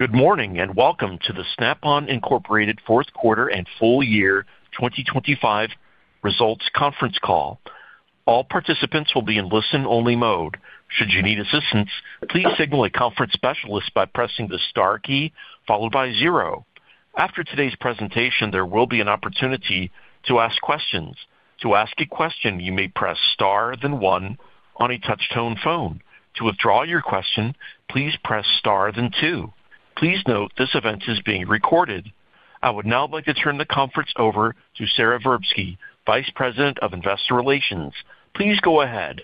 Good morning, and welcome to the Snap-on Incorporated fourth quarter and full-year 2025 results conference call. All participants will be in listen-only mode. Should you need assistance, please signal a conference specialist by pressing the star key followed by zero. After today's presentation, there will be an opportunity to ask questions. To ask a question, you may press star, then one on a touch-tone phone. To withdraw your question, please press star, then two. Please note, this event is being recorded. I would now like to turn the conference over to Sara Verbsky, Vice President of Investor Relations. Please go ahead.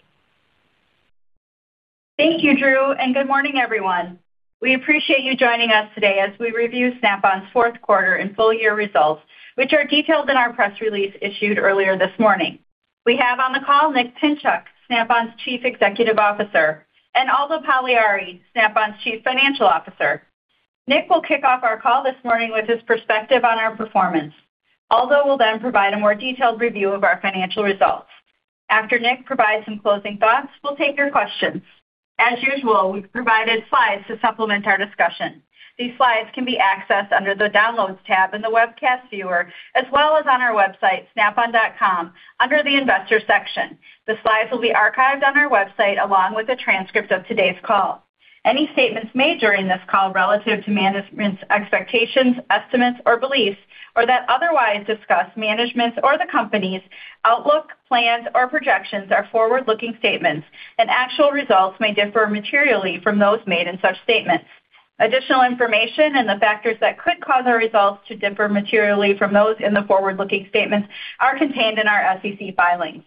Thank you, Drew, and good morning, everyone. We appreciate you joining us today as we review Snap-on's fourth quarter and full-year results, which are detailed in our press release issued earlier this morning. We have on the call Nick Pinchuk, Snap-on's Chief Executive Officer, and Aldo Pagliari, Snap-on's Chief Financial Officer. Nick will kick off our call this morning with his perspective on our performance. Aldo will then provide a more detailed review of our financial results. After Nick provides some closing thoughts, we'll take your questions. As usual, we've provided slides to supplement our discussion. These slides can be accessed under the Downloads tab in the webcast viewer, as well as on our website, snapon.com, under the Investors section. The slides will be archived on our website, along with a transcript of today's call. Any statements made during this call relative to management's expectations, estimates, or beliefs, or that otherwise discuss management's or the company's outlook, plans, or projections are forward-looking statements, and actual results may differ materially from those made in such statements. Additional information and the factors that could cause our results to differ materially from those in the forward-looking statements are contained in our SEC filings.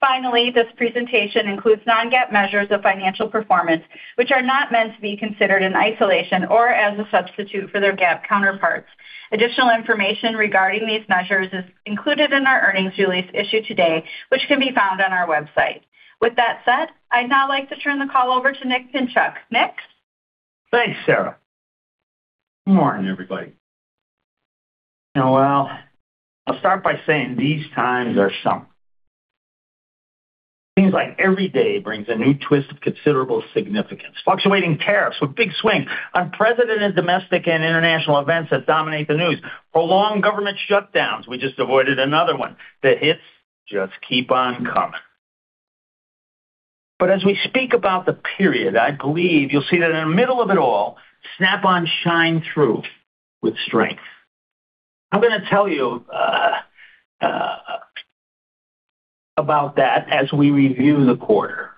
Finally, this presentation includes non-GAAP measures of financial performance, which are not meant to be considered in isolation or as a substitute for their GAAP counterparts. Additional information regarding these measures is included in our earnings release issued today, which can be found on our website. With that said, I'd now like to turn the call over to Nick Pinchuk. Nick? Thanks, Sara. Good morning, everybody. Well, I'll start by saying these times are some. Seems like every day brings a new twist of considerable significance. Fluctuating tariffs with big swings, unprecedented domestic and international events that dominate the news, prolonged government shutdowns, we just avoided another one. The hits just keep on coming. But as we speak about the period, I believe you'll see that in the middle of it all, Snap-on shined through with strength. I'm gonna tell you about that as we review the quarter.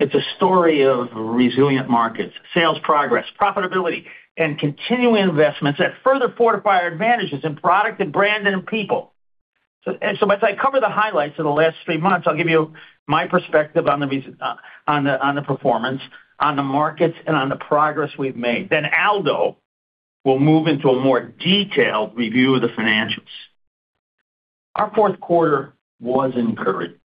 It's a story of resilient markets, sales progress, profitability, and continuing investments that further fortify our advantages in product and brand and in people. So as I cover the highlights of the last three months, I'll give you my perspective on the performance, on the markets, and on the progress we've made. Then Aldo will move into a more detailed review of the financials. Our fourth quarter was encouraged.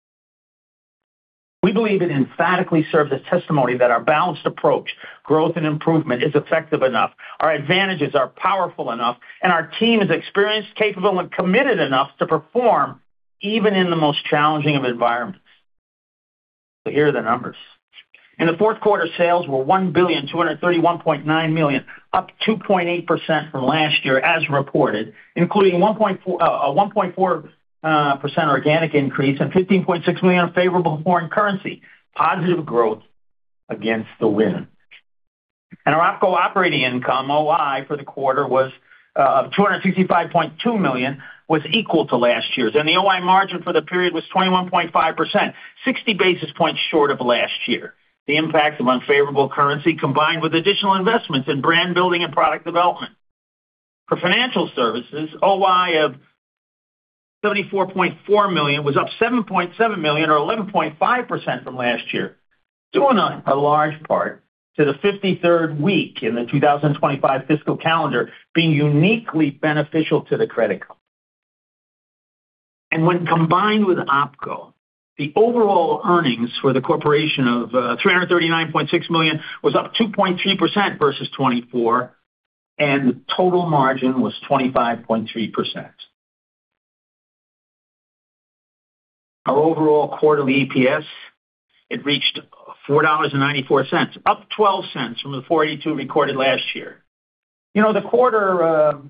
We believe it emphatically serves as testimony that our balanced approach, growth, and improvement is effective enough, our advantages are powerful enough, and our team is experienced, capable, and committed enough to perform even in the most challenging of environments. So here are the numbers. In the fourth quarter, sales were $1,231.9 million, up 2.8% from last year as reported, including a 1.4% organic increase and $15.6 million unfavorable foreign currency. Positive growth against the wind. Our OpCo operating income, OI, for the quarter was $255.2 million, equal to last year's, and the OI margin for the period was 21.5%, 60 basis points short of last year. The impact of unfavorable currency, combined with additional investments in brand building and product development. For financial services, OI of $74.4 million was up $7.7 million, or 11.5% from last year, due in a large part to the 53rd week in the 2025 fiscal calendar being uniquely beneficial to the credit card. And when combined with OpCo, the overall earnings for the corporation of $339.6 million was up 2.3% versus 2024, and the total margin was 25.3%. Our overall quarterly EPS, it reached $4.94, up $0.12 from the $4.82 recorded last year. You know, the quarter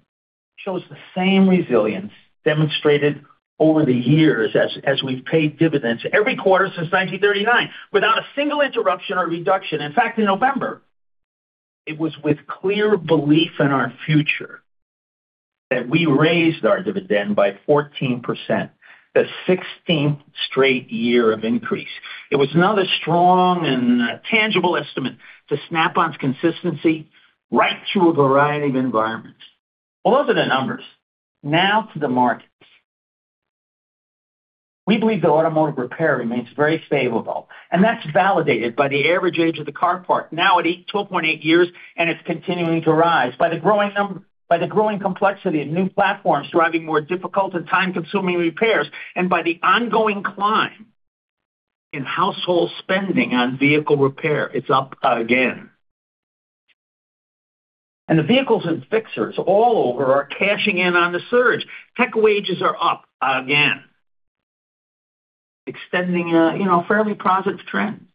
shows the same resilience demonstrated over the years as we've paid dividends every quarter since 1939, without a single interruption or reduction. In fact, in November, it was with clear belief in our future that we raised our dividend by 14%, the 16th straight year of increase. It was another strong and tangible estimate to Snap-on's consistency right through a variety of environments. Well, those are the numbers. Now to the markets. We believe the automotive repair remains very favorable, and that's validated by the average age of the car park, now at 12.8 years, and it's continuing to rise. By the growing complexity of new platforms driving more difficult and time-consuming repairs, and by the ongoing climb in household spending on vehicle repair, it's up again. And the vehicles and fixers all over are cashing in on the surge. Tech wages are up again. extending a, you know, fairly positive trend.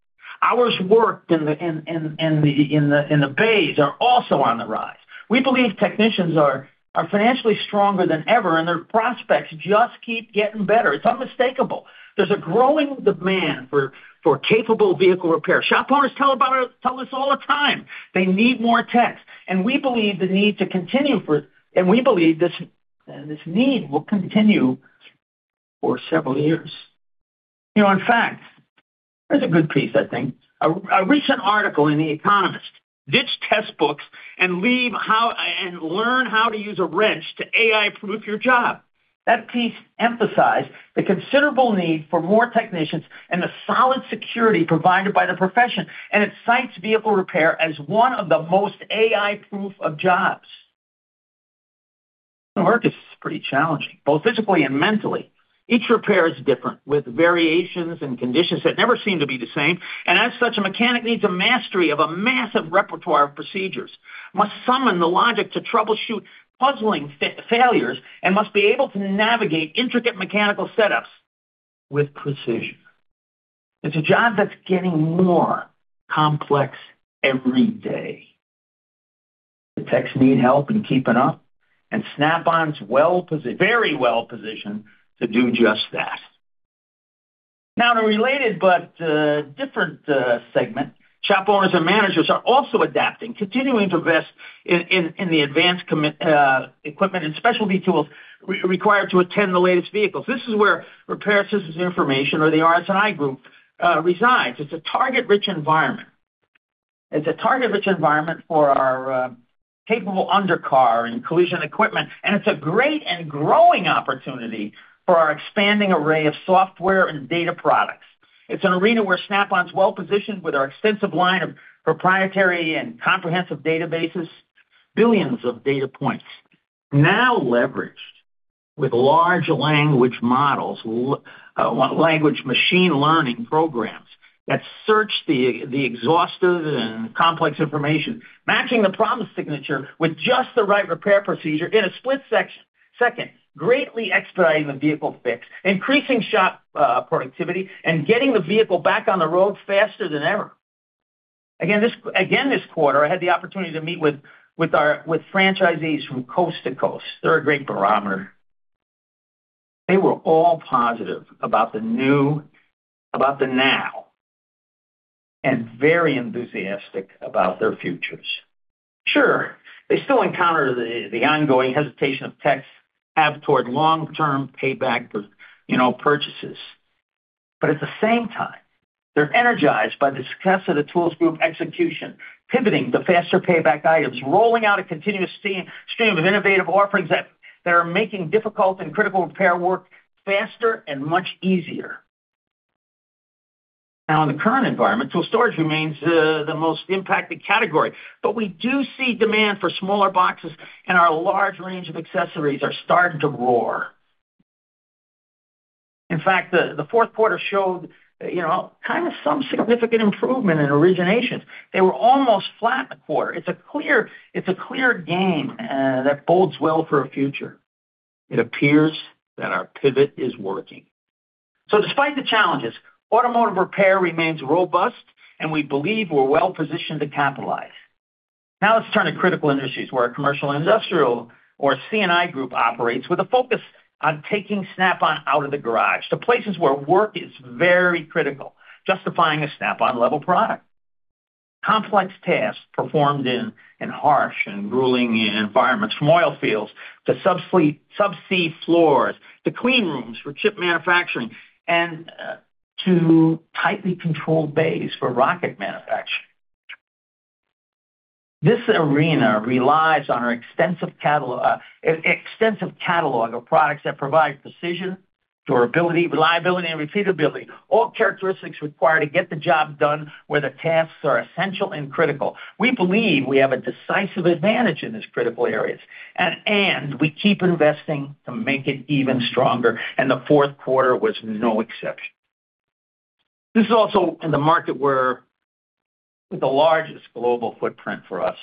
Hours worked in the bays are also on the rise. We believe technicians are financially stronger than ever, and their prospects just keep getting better. It's unmistakable. There's a growing demand for capable vehicle repair. Shop owners tell us all the time, they need more techs, and we believe this need will continue for several years. You know, in fact, here's a good piece, I think. A recent article in The Economist, "Ditch textbooks and learn how to use a wrench to AI-proof your job." That piece emphasized the considerable need for more technicians and the solid security provided by the profession, and it cites vehicle repair as one of the most AI-proof of jobs. Work is pretty challenging, both physically and mentally. Each repair is different, with variations and conditions that never seem to be the same, and as such, a mechanic needs a mastery of a massive repertoire of procedures, must summon the logic to troubleshoot puzzling failures, and must be able to navigate intricate mechanical setups with precision. It's a job that's getting more complex every day. The techs need help in keeping up, and Snap-on's well positioned, very well positioned, to do just that. Now, in a related but different segment, shop owners and managers are also adapting, continuing to invest in the advanced commercial equipment and specialty tools required to attend the latest vehicles. This is where repair assistance information, or the RS&I group, resides. It's a target-rich environment. It's a target-rich environment for our capable undercar and collision equipment, and it's a great and growing opportunity for our expanding array of software and data products. It's an arena where Snap-on's well-positioned with our extensive line of proprietary and comprehensive databases, billions of data points, now leveraged with large language models, language machine learning programs that search the, the exhaustive and complex information, matching the problem signature with just the right repair procedure in a split second, greatly expediting the vehicle fix, increasing shop productivity, and getting the vehicle back on the road faster than ever. Again, this quarter, I had the opportunity to meet with our franchisees from coast to coast. They're a great barometer. They were all positive about the new, about the now, and very enthusiastic about their futures. Sure, they still encounter the, the ongoing hesitation of techs have toward long-term payback for, you know, purchases. But at the same time, they're energized by the success of the Tools Group execution, pivoting the faster payback items, rolling out a continuous stream of innovative offerings that are making difficult and critical repair work faster and much easier. Now, in the current environment, tool storage remains the most impacted category, but we do see demand for smaller boxes, and our large range of accessories are starting to roar. In fact, the fourth quarter showed, you know, kind of some significant improvement in origination. They were almost flat in the quarter. It's a clear gain that bodes well for our future. It appears that our pivot is working. So despite the challenges, automotive repair remains robust, and we believe we're well positioned to capitalize. Now, let's turn to critical industries, where our commercial and industrial, or C&I Group, operates with a focus on taking Snap-on out of the garage to places where work is very critical, justifying a Snap-on level product. Complex tasks performed in harsh and grueling environments, from oil fields to subsea floors to clean rooms for chip manufacturing and to tightly controlled bays for rocket manufacturing. This arena relies on our extensive catalog of products that provide precision, durability, reliability, and repeatability, all characteristics required to get the job done where the tasks are essential and critical. We believe we have a decisive advantage in these critical areas, and we keep investing to make it even stronger, and the fourth quarter was no exception. This is also in the market where the largest global footprint for us,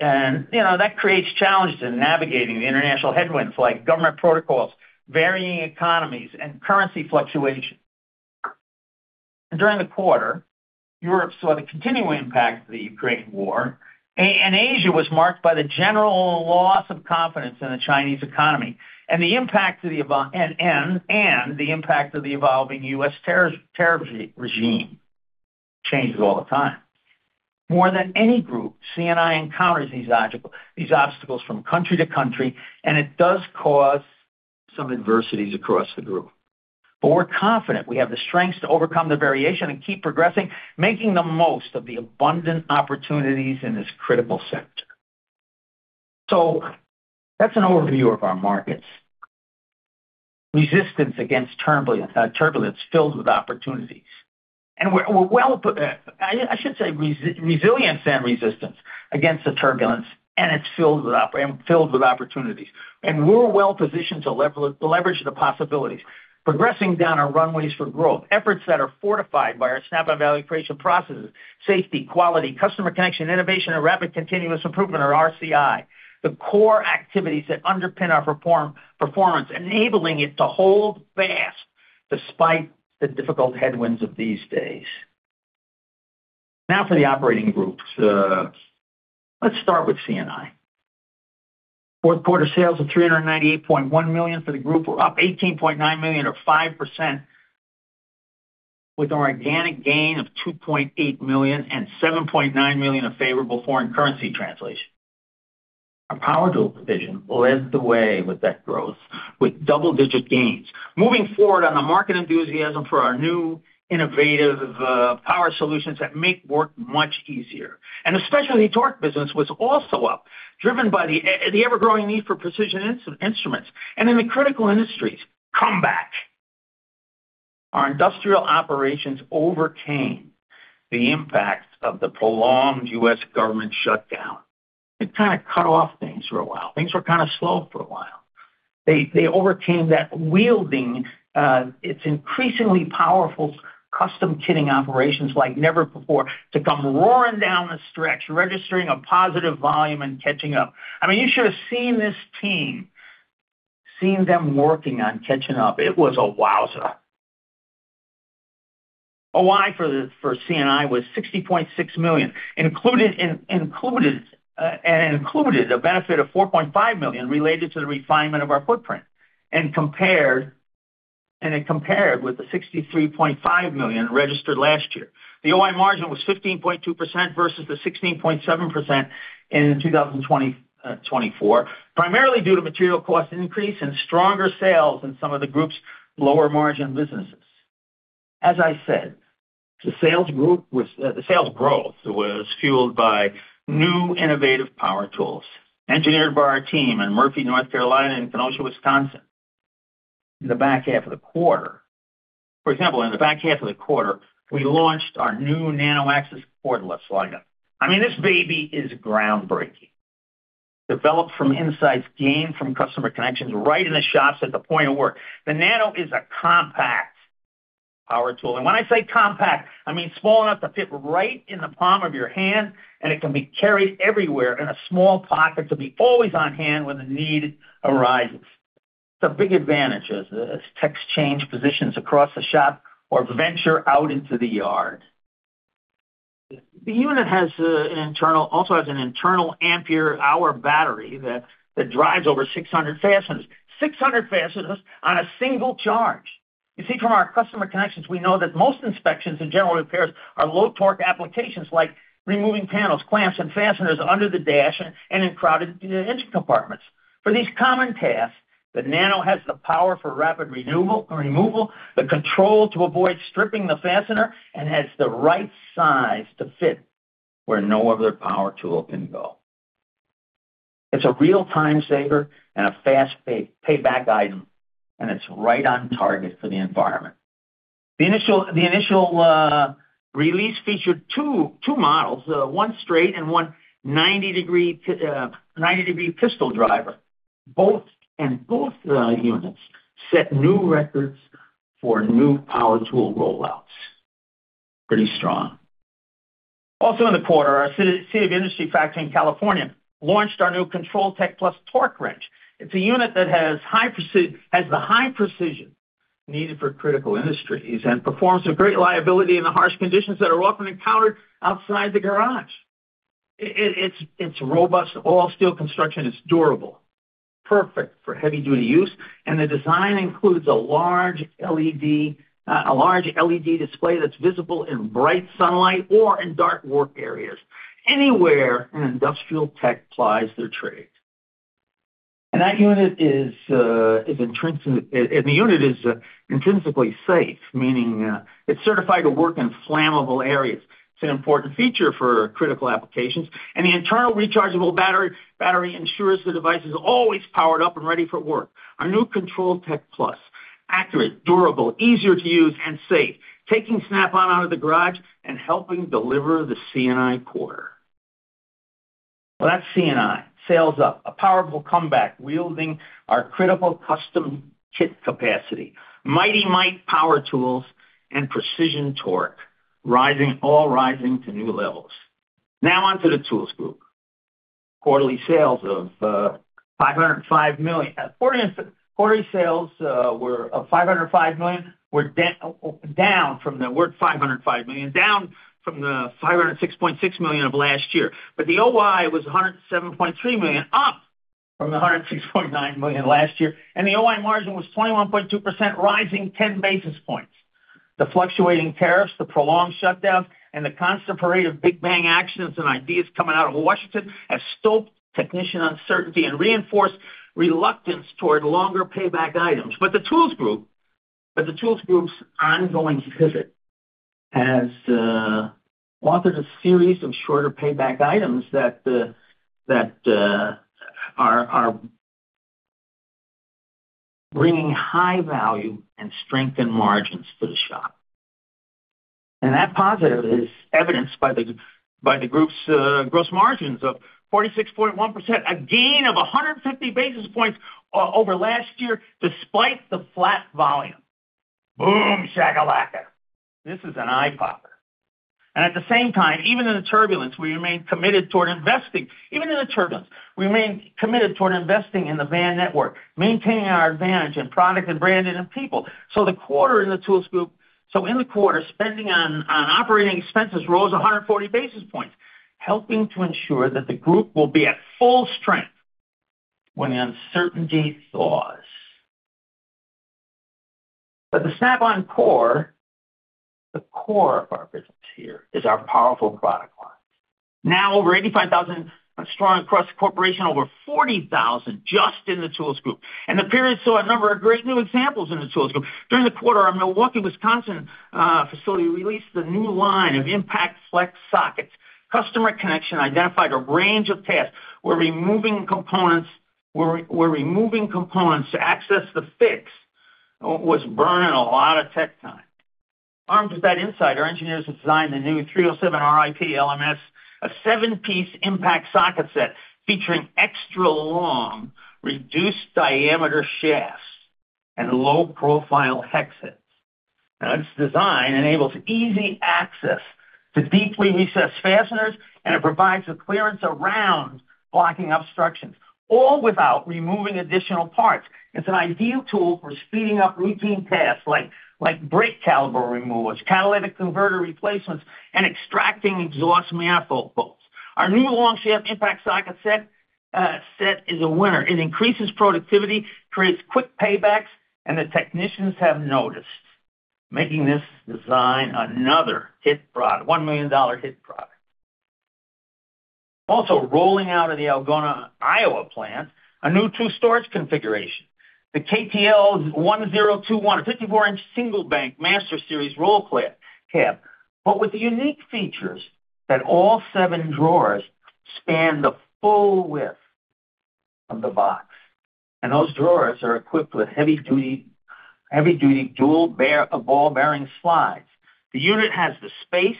and, you know, that creates challenges in navigating the international headwinds, like government protocols, varying economies, and currency fluctuations. During the quarter, Europe saw the continuing impact of the Ukrainian war, and Asia was marked by the general loss of confidence in the Chinese economy and the impact of the evolving U.S. tariff regime. Changes all the time. More than any group, C&I encounters these obstacles from country to country, and it does cause some adversities across the group. But we're confident we have the strengths to overcome the variation and keep progressing, making the most of the abundant opportunities in this critical sector. So that's an overview of our markets. Resistance against turbulence, turbulence filled with opportunities, and we're well. I should say resilience and resistance against the turbulence, and it's filled with opportunities. We're well positioned to leverage the possibilities, progressing down our runways for growth, efforts that are fortified by our Snap-on Value Creation Processes, safety, quality, customer connection, innovation, and rapid continuous improvement, or RCI. The core activities that underpin our performance, enabling it to hold fast despite the difficult headwinds of these days. Now for the operating groups. Let's start with C&I. Fourth quarter sales of $398.1 million for the group were up $18.9 million, or 5%, with an organic gain of $2.8 million and $7.9 million of favorable foreign currency translation. Our power tool division led the way with that growth, with double-digit gains. Moving forward on the market enthusiasm for our new innovative power solutions that make work much easier. The specialty torque business was also up, driven by the ever-growing need for precision instruments and in the critical industries. Come back! Our industrial operations overcame the impact of the prolonged U.S. government shutdown. It kind of cut off things for a while. Things were kind of slow for a while. They overcame that, wielding its increasingly powerful custom kitting operations like never before, to come roaring down the stretch, registering a positive volume and catching up. I mean, you should have seen this team, seen them working on catching up. It was a wowzer. OI for C&I was $60.6 million, included a benefit of $4.5 million related to the refinement of our footprint, and it compared with the $63.5 million registered last year. The OI margin was 15.2% versus the 16.7% in 2020, 2024, primarily due to material cost increase and stronger sales in some of the group's lower-margin businesses. As I said, the sales growth was fueled by new innovative power tools, engineered by our team in Murphy, North Carolina, and Kenosha, Wisconsin. In the back half of the quarter, for example, we launched our new Nano Axcess Cordless Lineup. I mean, this baby is groundbreaking. Developed from insights gained from customer connections right in the shops at the point of work. The Nano is a compact power tool, and when I say compact, I mean small enough to fit right in the palm of your hand, and it can be carried everywhere in a small pocket to be always on hand when the need arises. It's a big advantage as techs change positions across the shop or venture out into the yard. The unit also has an internal ampere-hour battery that drives over 600 fasteners. 600 fasteners on a single charge! You see, from our customer connections, we know that most inspections and general repairs are low-torque applications, like removing panels, clamps, and fasteners under the dash and in crowded engine compartments. For these common tasks, the Nano has the power for rapid renewal, or removal, the control to avoid stripping the fastener, and has the right size to fit where no other power tool can go. It's a real time saver and a fast payback item, and it's right on target for the environment. The initial release featured two models, one straight and one 90-degree pistol driver. Both units set new records for new power tool rollouts. Pretty strong. Also in the quarter, our City of Industry factory in California launched our new ControlTech+ Torque Wrench. It's a unit that has the high precision needed for critical industries, and performs with great reliability in the harsh conditions that are often encountered outside the garage. It's robust, all-steel construction is durable, perfect for heavy-duty use, and the design includes a large LED display that's visible in bright sunlight or in dark work areas, anywhere an industrial tech plies their trade. And that unit is intrinsically safe, meaning it's certified to work in flammable areas. It's an important feature for critical applications, and the internal rechargeable battery ensures the device is always powered up and ready for work. Our new ControlTech: accurate, durable, easier to use, and safe, taking Snap-on out of the garage and helping deliver the C&I quarter. Well, that's C&I. Sales up, a powerful comeback, wielding our critical custom kit capacity, Mighty Mite power tools, and precision torque, rising, all rising to new levels. Now, on to the Tools Group. Quarterly sales of $505 million. Quarterly sales were $505 million, down from the $506.6 million of last year. But the OI was $107.3 million, up from the $106.9 million last year, and the OI margin was 21.2%, rising ten basis points. The fluctuating tariffs, the prolonged shutdowns, and the constant parade of big bang actions and ideas coming out of Washington have stoked technician uncertainty and reinforced reluctance toward longer payback items. But the Tools Group's ongoing visit has authored a series of shorter payback items that are bringing high value and strengthened margins for the shop. That positive is evidenced by the, by the group's gross margins of 46.1%, a gain of 150 basis points over last year, despite the flat volume. Boom, shakalaka! This is an eye-popper. And at the same time, even in the turbulence, we remain committed toward investing. Even in the turbulence, we remain committed toward investing in the van network, maintaining our advantage in product and branding and people. So the quarter in the Tools Group. So in the quarter, spending on operating expenses rose 140 basis points, helping to ensure that the group will be at full strength. When the uncertainty thaws. But the Snap-on core, the core of our business here is our powerful product line. Now over 85,000 strong across the corporation, over 40,000 just in the Tools Group, and the period saw a number of great new examples in the Tools Group. During the quarter, our Milwaukee, Wisconsin facility released a new line of impact flex sockets. Customer connection identified a range of tasks where removing components to access the fix was burning a lot of tech time. Armed with that insight, our engineers have designed the new 307RIPLMS, a seven-piece impact socket set featuring extra long, reduced diameter shafts and low-profile hex heads. Now, its design enables easy access to deeply recessed fasteners, and it provides a clearance around blocking obstructions, all without removing additional parts. It's an ideal tool for speeding up routine tasks like brake caliper removals, catalytic converter replacements, and extracting exhaust manifold bolts. Our new long shaft impact socket set is a winner. It increases productivity, creates quick paybacks, and the technicians have noticed, making this design another hit product, $1 million hit product. Also, rolling out of the Algona, Iowa plant, a new tool storage configuration, the KTL1021, a 54-inch single-bank Masters Series roll cab, but with the unique features that all seven drawers span the full width of the box, and those drawers are equipped with heavy-duty, heavy-duty dual bearing ball bearing slides. The unit has the space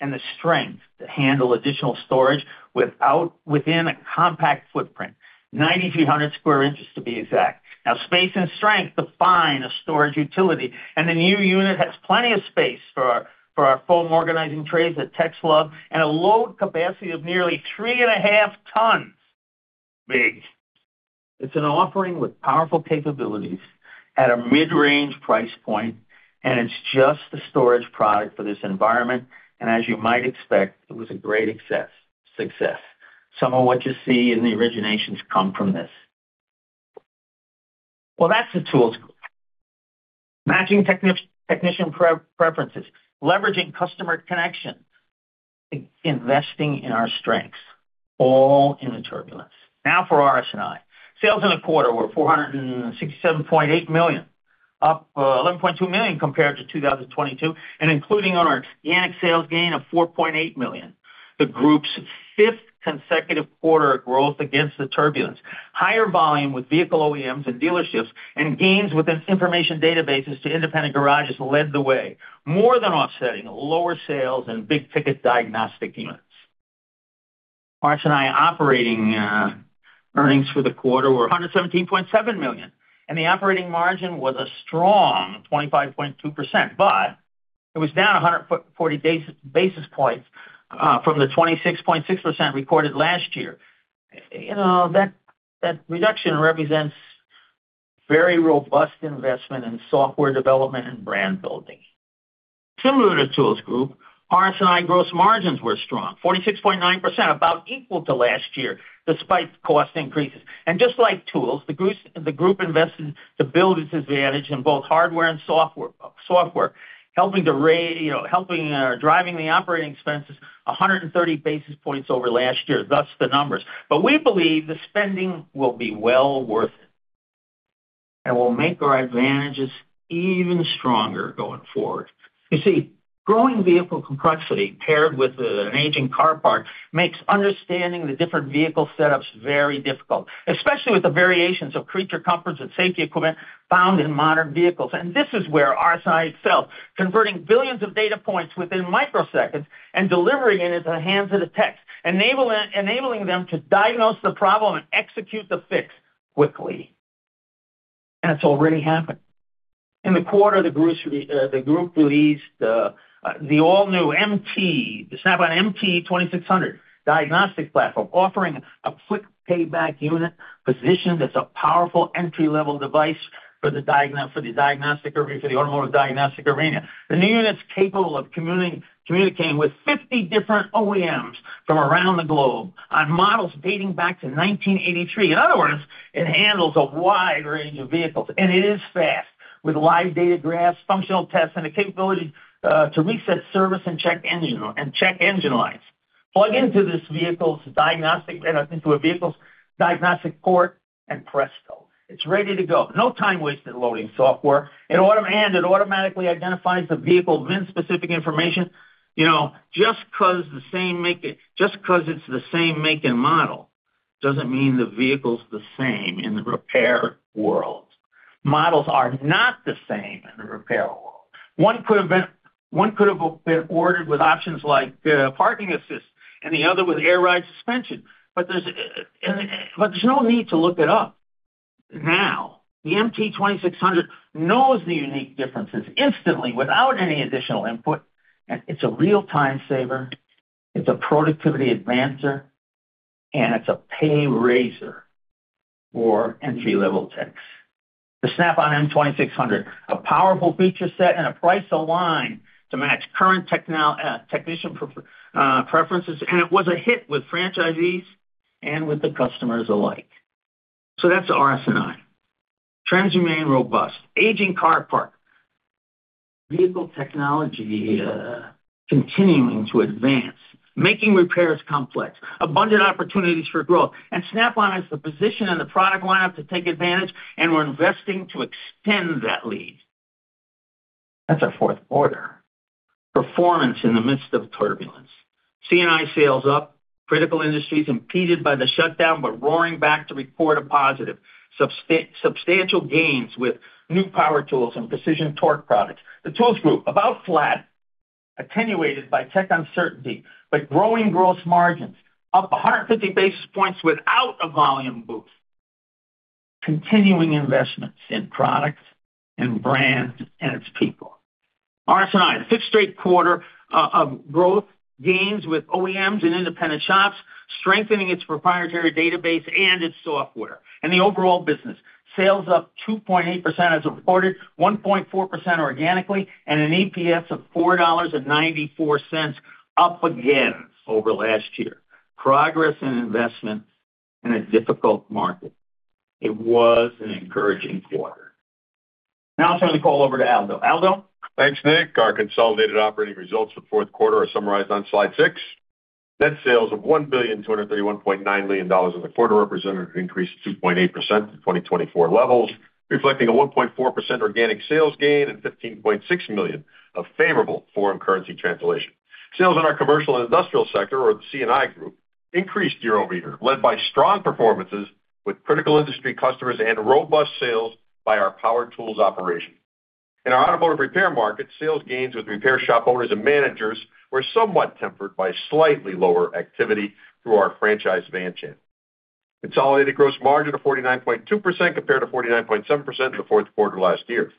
and the strength to handle additional storage within a compact footprint, 9,300 square inches, to be exact. Now, space and strength define a storage utility, and the new unit has plenty of space for our foam organizing trays that techs love and a load capacity of nearly 3.5 tons. Big! It's an offering with powerful capabilities at a mid-range price point, and it's just the storage product for this environment, and as you might expect, it was a great success, success. Some of what you see in the originations come from this. Well, that's the Tools Group. Matching technician preferences, leveraging customer connection, investing in our strengths, all in the turbulence. Now for RS&I. Sales in the quarter were $467.8 million, up $11.2 million compared to 2022, and including our organic sales gain of $4.8 million, the group's 5th consecutive quarter of growth against the turbulence. Higher volume with vehicle OEMs and dealerships and gains within information databases to independent garages led the way, more than offsetting lower sales and big-ticket diagnostic units. RS&I operating earnings for the quarter were $117.7 million, and the operating margin was a strong 25.2%, but it was down 140 basis points from the 26.6% recorded last year. You know, that, that reduction represents very robust investment in software development and brand building. Similar to Tools Group, RS&I gross margins were strong, 46.9%, about equal to last year, despite cost increases. Just like Tools, the group invested to build its advantage in both hardware and software, helping, you know, driving the operating expenses 100 basis points over last year, thus the numbers. But we believe the spending will be well worth it and will make our advantages even stronger going forward. You see, growing vehicle complexity, paired with an aging car park, makes understanding the different vehicle setups very difficult, especially with the variations of creature comforts and safety equipment found in modern vehicles. And this is where RS&I excels, converting billions of data points within microseconds and delivering it into the hands of the techs, enabling them to diagnose the problem and execute the fix quickly. And it's already happened. In the quarter, the group released the all-new MT, the Snap-on MT2600 diagnostic platform, offering a quick payback unit position that's a powerful entry-level device for the diagnostic arena, for the automotive diagnostic arena. The new unit's capable of communicating with 50 different OEMs from around the globe on models dating back to 1983. In other words, it handles a wide range of vehicles, and it is fast, with live data graphs, functional tests, and the capability to reset service and check engine, and check engine lights. Plug into a vehicle's diagnostic port, and presto, it's ready to go. No time wasted loading software. It automatically identifies the vehicle VIN-specific information. You know, just 'cause it's the same make and model doesn't mean the vehicle's the same in the repair world. Models are not the same in the repair world. One could have been ordered with options like parking assist and the other with air ride suspension. But there's no need to look it up now. The MT2600 knows the unique differences instantly without any additional input, and it's a real time saver, it's a productivity advancer, and it's a pay raiser for entry-level techs. The Snap-on MT2600, a powerful feature set and a price align to match current technician preferences, and it was a hit with franchisees and with the customers alike. So that's RS&I. Trends remain robust, aging car park, vehicle technology continuing to advance, making repairs complex, abundant opportunities for growth, and Snap-on has the position and the product line up to take advantage, and we're investing to extend that lead. That's our fourth quarter performance in the midst of turbulence. C&I sales up, critical industries impeded by the shutdown, but roaring back to report a positive. Substantial gains with new power tools and precision torque products. The Tools Group, about flat, attenuated by tech uncertainty, but growing gross margins, up 150 basis points without a volume boost. Continuing investments in products, in brands, and its people. RS&I, a fifth straight quarter of growth gains with OEMs and independent shops, strengthening its proprietary database and its software. The overall business, sales up 2.8% as reported, 1.4% organically, and an EPS of $4.94, up again over last year. Progress and investment in a difficult market. It was an encouraging quarter. Now I'll turn the call over to Aldo. Aldo? Thanks, Nick. Our consolidated operating results for the fourth quarter are summarized on Slide six. Net sales of $1,231.9 million in the quarter represented an increase of 2.8% to 2024 levels, reflecting a 1.4% organic sales gain and $15.6 million of favorable foreign currency translation. Sales in our commercial and industrial sector, or C&I Group, increased year-over-year, led by strong performances with critical industry customers and robust sales by our power tools operation. In our automotive repair market, sales gains with repair shop owners and managers were somewhat tempered by slightly lower activity through our franchise van chain. Consolidated gross margin of 49.2% compared to 49.7% in the fourth quarter last year.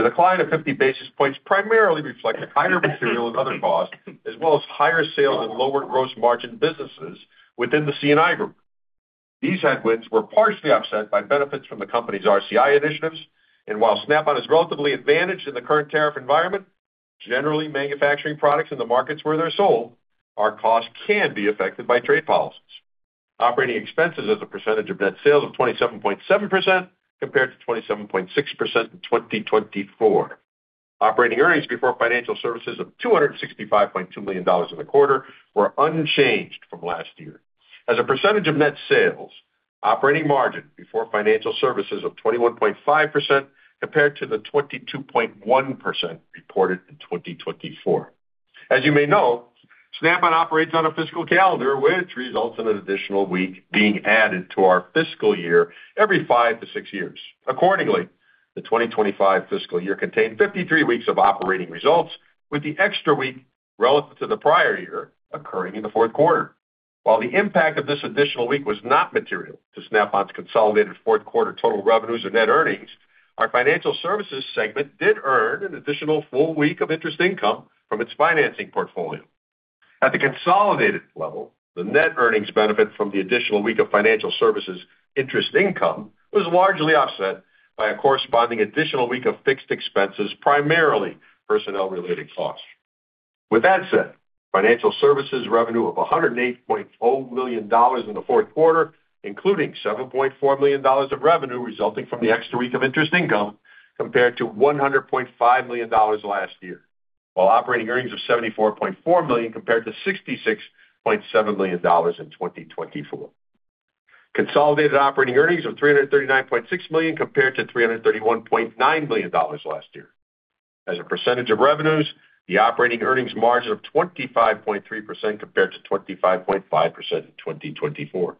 The decline of 50 basis points primarily reflected higher material and other costs, as well as higher sales and lower gross margin businesses within the C&I Group. These headwinds were partially offset by benefits from the company's RCI initiatives, and while Snap-on is relatively advantaged in the current tariff environment, generally manufacturing products in the markets where they're sold, our costs can be affected by trade policies. Operating expenses as a percentage of net sales of 27.7%, compared to 27.6% in 2024. Operating earnings before financial services of $265.2 million in the quarter were unchanged from last year. As a percentage of net sales, operating margin before financial services of 21.5% compared to the 22.1% reported in 2024. As you may know, Snap-on operates on a fiscal calendar, which results in an additional week being added to our fiscal year every 5-6 years. Accordingly, the 2025 fiscal year contained 53 weeks of operating results, with the extra week relative to the prior year occurring in the fourth quarter. While the impact of this additional week was not material to Snap-on's consolidated fourth quarter total revenues or net earnings, our financial services segment did earn an additional full week of interest income from its financing portfolio. At the consolidated level, the net earnings benefit from the additional week of financial services interest income was largely offset by a corresponding additional week of fixed expenses, primarily personnel-related costs. With that said, financial services revenue of $108.0 million in the fourth quarter, including $7.4 million of revenue resulting from the extra week of interest income, compared to $100.5 million last year, while operating earnings of $74.4 million, compared to $66.7 million in 2024. Consolidated operating earnings of $339.6 million, compared to $331.9 million last year. As a percentage of revenues, the operating earnings margin of 25.3% compared to 25.5% in 2024.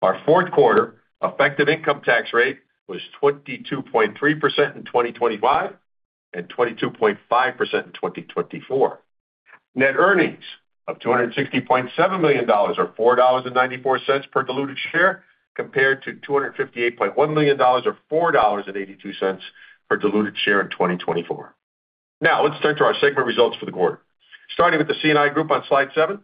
Our fourth quarter effective income tax rate was 22.3% in 2025 and 22.5% in 2024. Net earnings of $260.7 million, or $4.94 per diluted share, compared to $258.1 million, or $4.82 per diluted share in 2024. Now, let's turn to our segment results for the quarter. Starting with the C&I Group on slide seven,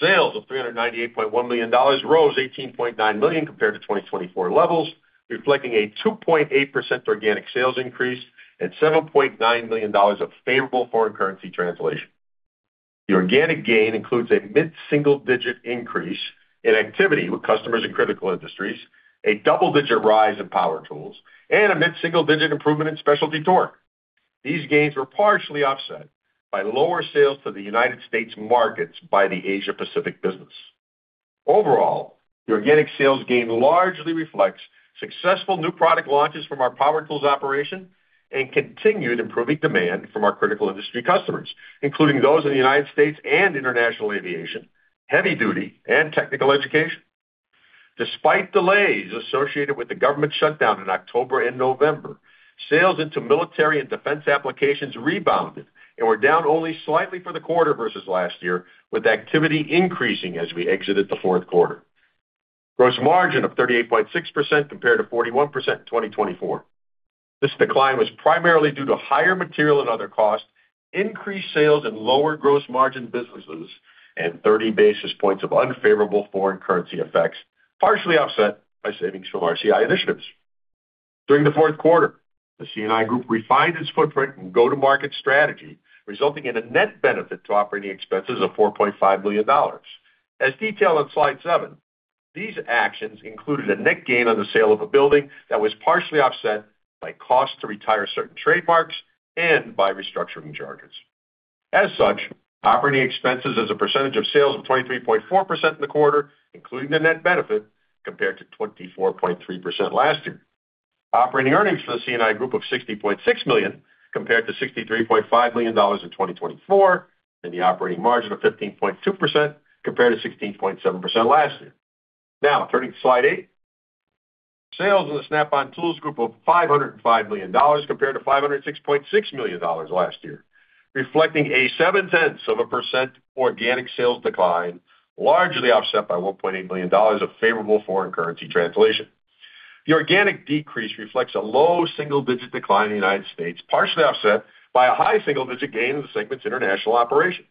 sales of $398.1 million rose $18.9 million compared to 2024 levels, reflecting a 2.8% organic sales increase and $7.9 million of favorable foreign currency translation. The organic gain includes a mid-single-digit increase in activity with customers in critical industries, a double-digit rise in power tools, and a mid-single-digit improvement in specialty torque. These gains were partially offset by lower sales to the United States markets by the Asia Pacific business. Overall, the organic sales gain largely reflects successful new product launches from our power tools operation and continued improving demand from our critical industry customers, including those in the United States and international aviation, heavy duty, and technical education. Despite delays associated with the government shutdown in October and November, sales into military and defense applications rebounded and were down only slightly for the quarter versus last year, with activity increasing as we exited the fourth quarter. Gross margin of 38.6% compared to 41% in 2024. This decline was primarily due to higher material and other costs, increased sales in lower gross margin businesses, and 30 basis points of unfavorable foreign currency effects, partially offset by savings from RCI initiatives. During the fourth quarter, the C&I Group refined its footprint and go-to-market strategy, resulting in a net benefit to operating expenses of $4.5 million. As detailed on slide seven, these actions included a net gain on the sale of a building that was partially offset by costs to retire certain trademarks and by restructuring charges. As such, operating expenses as a percentage of sales of 23.4% in the quarter, including the net benefit, compared to 24.3% last year. Operating earnings for the C&I Group of $60.6 million, compared to $63.5 million in 2024, and the operating margin of 15.2%, compared to 16.7% last year. Now, turning to slide eight. Sales in the Snap-on Tools Group of $505 million, compared to $506.6 million last year, reflecting a 0.7% organic sales decline, largely offset by $1.8 million of favorable foreign currency translation. The organic decrease reflects a low single-digit decline in the United States, partially offset by a high single-digit gain in the segment's international operations.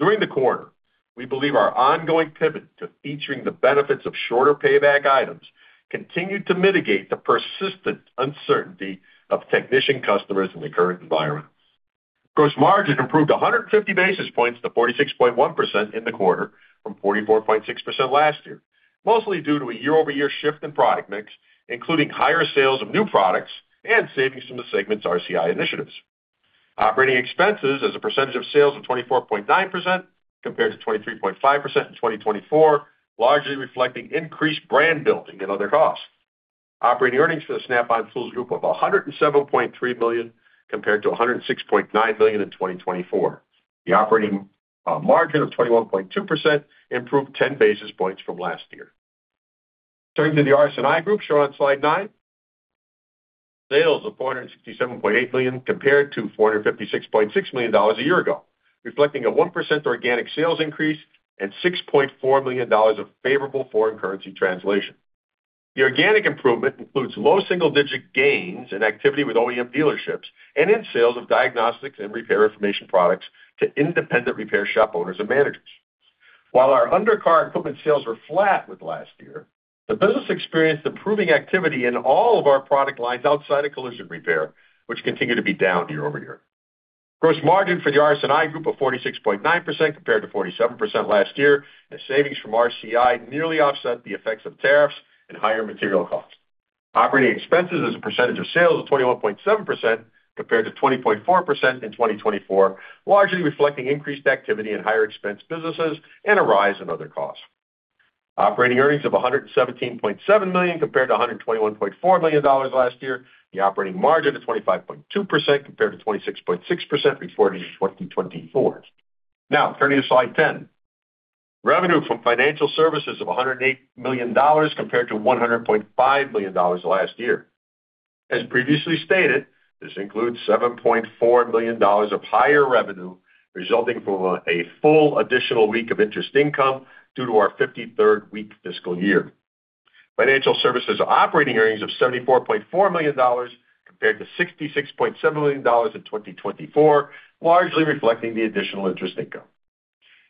During the quarter, we believe our ongoing pivot to featuring the benefits of shorter payback items continued to mitigate the persistent uncertainty of technician customers in the current environment. Gross margin improved 150 basis points to 46.1% in the quarter from 44.6% last year, mostly due to a year-over-year shift in product mix, including higher sales of new products and savings from the segment's RCI initiatives. Operating expenses as a percentage of sales of 24.9%, compared to 23.5% in 2024, largely reflecting increased brand building and other costs. Operating earnings for the Snap-on Tools Group of $107.3 million, compared to $106.9 million in 2024. The operating margin of 21.2% improved 10 basis points from last year. Turning to the RS&I Group, shown on slide nine. Sales of $467.8 million, compared to $456.6 million a year ago, reflecting a 1% organic sales increase and $6.4 million of favorable foreign currency translation. The organic improvement includes low single-digit gains in activity with OEM dealerships and in sales of diagnostics and repair information products to independent repair shop owners and managers. While our undercar equipment sales were flat with last year, the business experienced improving activity in all of our product lines outside of collision repair, which continued to be down year over year. Gross margin for the RS&I Group of 46.9%, compared to 47% last year, and savings from RCI nearly offset the effects of tariffs and higher material costs. Operating expenses as a percentage of sales of 21.7%, compared to 20.4% in 2024, largely reflecting increased activity in higher expense businesses and a rise in other costs. Operating earnings of $117.7 million, compared to $121.4 million last year, the operating margin of 25.2%, compared to 26.6% reported in 2024. Now, turning to slide 10. Revenue from financial services of $108 million, compared to $100.5 million last year. As previously stated, this includes $7.4 million of higher revenue, resulting from a full additional week of interest income due to our 53 week fiscal year. Financial services operating earnings of $74.4 million, compared to $66.7 million in 2024, largely reflecting the additional interest income.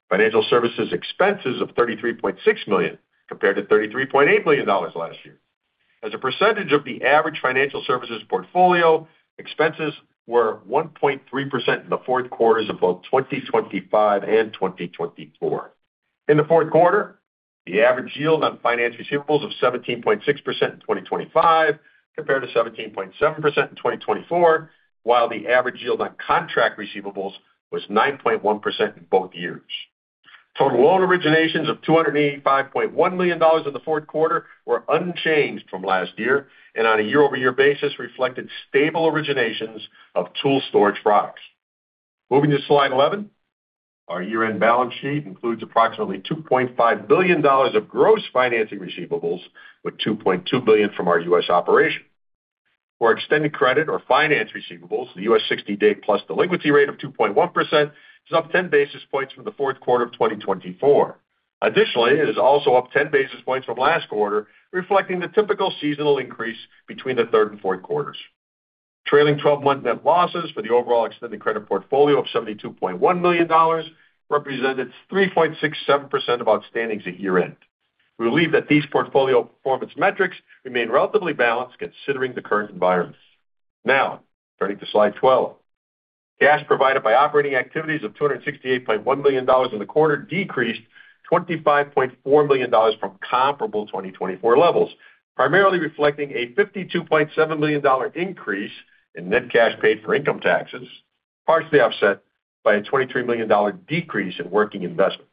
Financial services expenses of $33.6 million, compared to $33.8 million last year. As a percentage of the average financial services portfolio, expenses were 1.3% in the fourth quarters of both 2025 and 2024. In the fourth quarter, the average yield on finance receivables of 17.6% in 2025, compared to 17.7% in 2024, while the average yield on contract receivables was 9.1% in both years. Total loan originations of $285.1 million in the fourth quarter were unchanged from last year, and on a year-over-year basis, reflected stable originations of tool storage products. Moving to slide 11. Our year-end balance sheet includes approximately $2.5 billion of gross financing receivables, with $2.2 billion from our U.S. operations. For extended credit or finance receivables, the U.S. 60+ day delinquency rate of 2.1% is up 10 basis points from the fourth quarter of 2024. Additionally, it is also up 10 basis points from last quarter, reflecting the typical seasonal increase between the third and fourth quarters. Trailing twelve-month net losses for the overall extended credit portfolio of $72.1 million represented 3.67% of outstandings at year-end. We believe that these portfolio performance metrics remain relatively balanced considering the current environment. Now, turning to slide 12. Cash provided by operating activities of $268.1 million in the quarter decreased $25.4 million from comparable 2024 levels, primarily reflecting a $52.7 million increase in net cash paid for income taxes, partially offset by a $23 million decrease in working investment.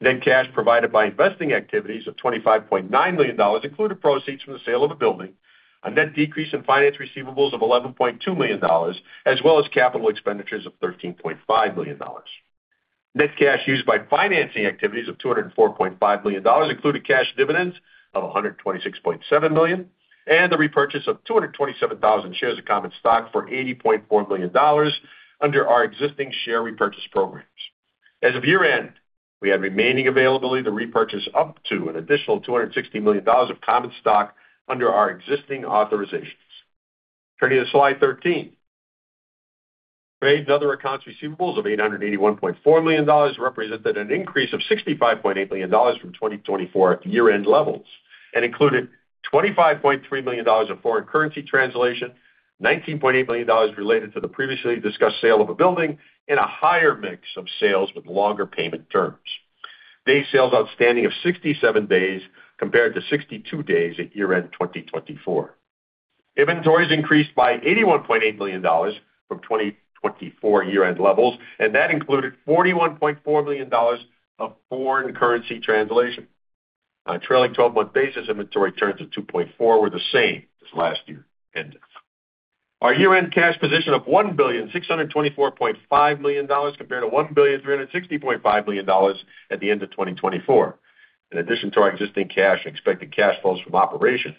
Net cash provided by investing activities of $25.9 million included proceeds from the sale of a building, a net decrease in finance receivables of $11.2 million, as well as capital expenditures of $13.5 million. Net cash used by financing activities of $204.5 million included cash dividends of $126.7 million, and the repurchase of 227,000 shares of common stock for $80.4 million under our existing share repurchase program. As of year-end, we had remaining availability to repurchase up to an additional $260 million of common stock under our existing authorizations. Turning to Slide 13. Trade and other accounts receivables of $881.4 million represented an increase of $65.8 million from 2024 year-end levels, and included $25.3 million of foreign currency translation, $19.8 million related to the previously discussed sale of a building, and a higher mix of sales with longer payment terms. Day sales outstanding of 67 days compared to 62 days at year-end 2024. Inventories increased by $81.8 million from 2024 year-end levels, and that included $41.4 million of foreign currency translation. On a trailing 12-month basis, inventory turns of 2.4 were the same as last year ended. Our year-end cash position of $1,624.5 million compared to $1,360.5 million at the end of 2024. In addition to our existing cash and expected cash flows from operations,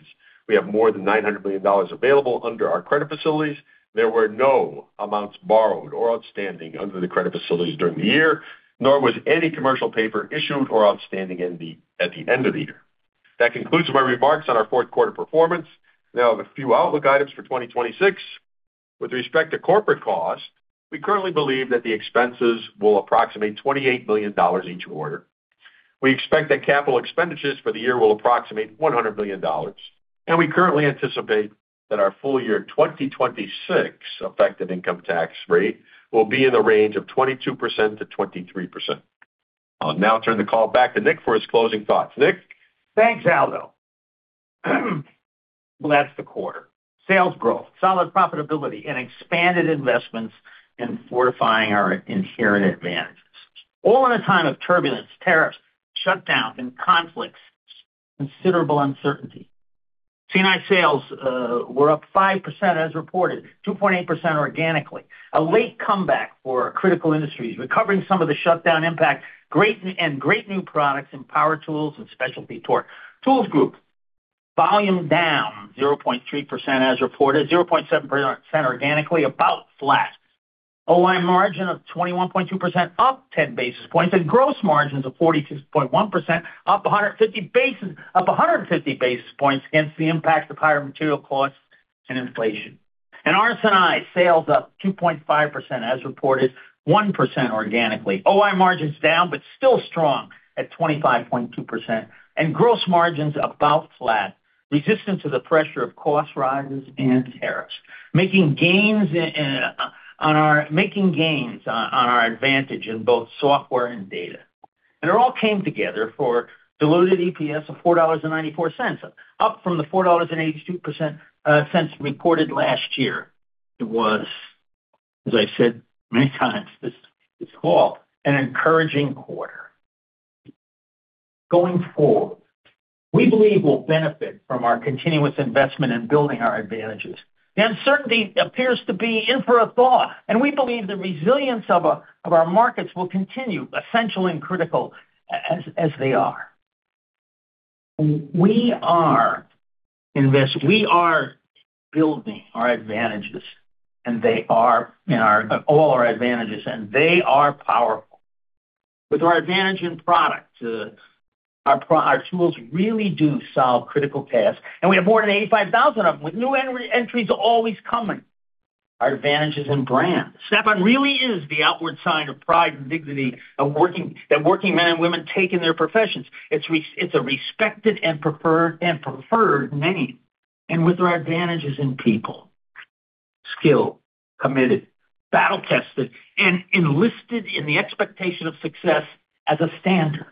we have more than $900 million available under our credit facilities. There were no amounts borrowed or outstanding under the credit facilities during the year, nor was any commercial paper issued or outstanding at the end of the year. That concludes my remarks on our fourth quarter performance. Now, the few outlook items for 2026. With respect to corporate costs, we currently believe that the expenses will approximate $28 million each quarter. We expect that capital expenditures for the year will approximate $100 million, and we currently anticipate that our full-year 2026 effective income tax rate will be in the range of 22%-23%. I'll now turn the call back to Nick for his closing thoughts. Nick? Thanks, Aldo. Well, that's the quarter. Sales growth, solid profitability, and expanded investments in fortifying our inherent advantages, all in a time of turbulence, tariffs, shutdown, and conflicts, considerable uncertainty. C&I sales were up 5% as reported, 2.8% organically. A late comeback for critical industries, recovering some of the shutdown impact, great- and great new products in power tools and specialty torque. Tools Group, volume down 0.3% as reported, 0.7% organically, about flat. OI margin of 21.2%, up 10 basis points, and gross margins of 42.1%, up 150 basis points against the impacts of higher material costs and inflation. In RS&I, sales up 2.5% as reported, 1% organically. OI margins down, but still strong at 25.2%, and gross margins about flat, resistant to the pressure of cost rises and tariffs, making gains on our advantage in both software and data. It all came together for diluted EPS of $4.94, up from the $4.82 reported last year. It was, as I said many times this call, an encouraging quarter. Going forward, we believe we'll benefit from our continuous investment in building our advantages. The uncertainty appears to be in for a thaw, and we believe the resilience of our markets will continue, essential and critical as they are. We are building our advantages, and they are in our all our advantages, and they are powerful. With our advantage in product, our tools really do solve critical tasks, and we have more than 85,000 of them, with new entry, entries always coming. Our advantages in brand. Snap-on really is the outward sign of pride and dignity of working, that working men and women take in their professions. It's a respected and preferred name. And with our advantages in people, skilled, committed, battle-tested, and enlisted in the expectation of success as a standard.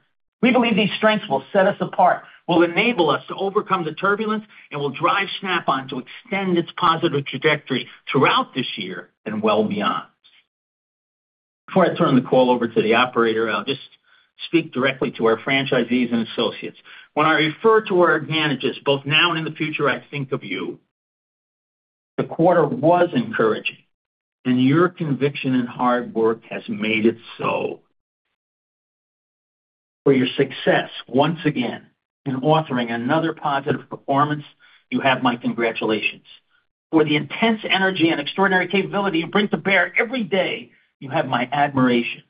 We believe these strengths will set us apart, will enable us to overcome the turbulence, and will drive Snap-on to extend its positive trajectory throughout this year and well beyond. Before I turn the call over to the operator, I'll just speak directly to our franchisees and associates. When I refer to our advantages, both now and in the future, I think of you. The quarter was encouraging, and your conviction and hard work has made it so. For your success, once again, in authoring another positive performance, you have my congratulations. For the intense energy and extraordinary capability you bring to bear every day, you have my admiration,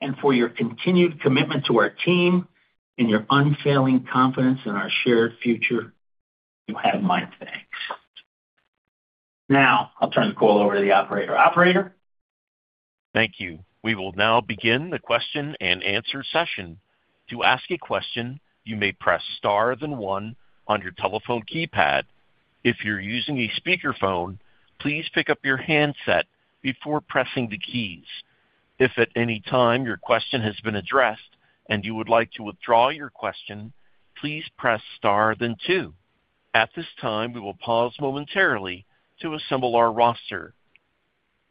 and for your continued commitment to our team and your unfailing confidence in our shared future, you have my thanks. Now, I'll turn the call over to the operator. Operator? Thank you. We will now begin the question-and-answer session. To ask a question, you may press star, then one on your telephone keypad. If you're using a speakerphone, please pick up your handset before pressing the keys. If at any time your question has been addressed and you would like to withdraw your question, please press star then two. At this time, we will pause momentarily to assemble our roster.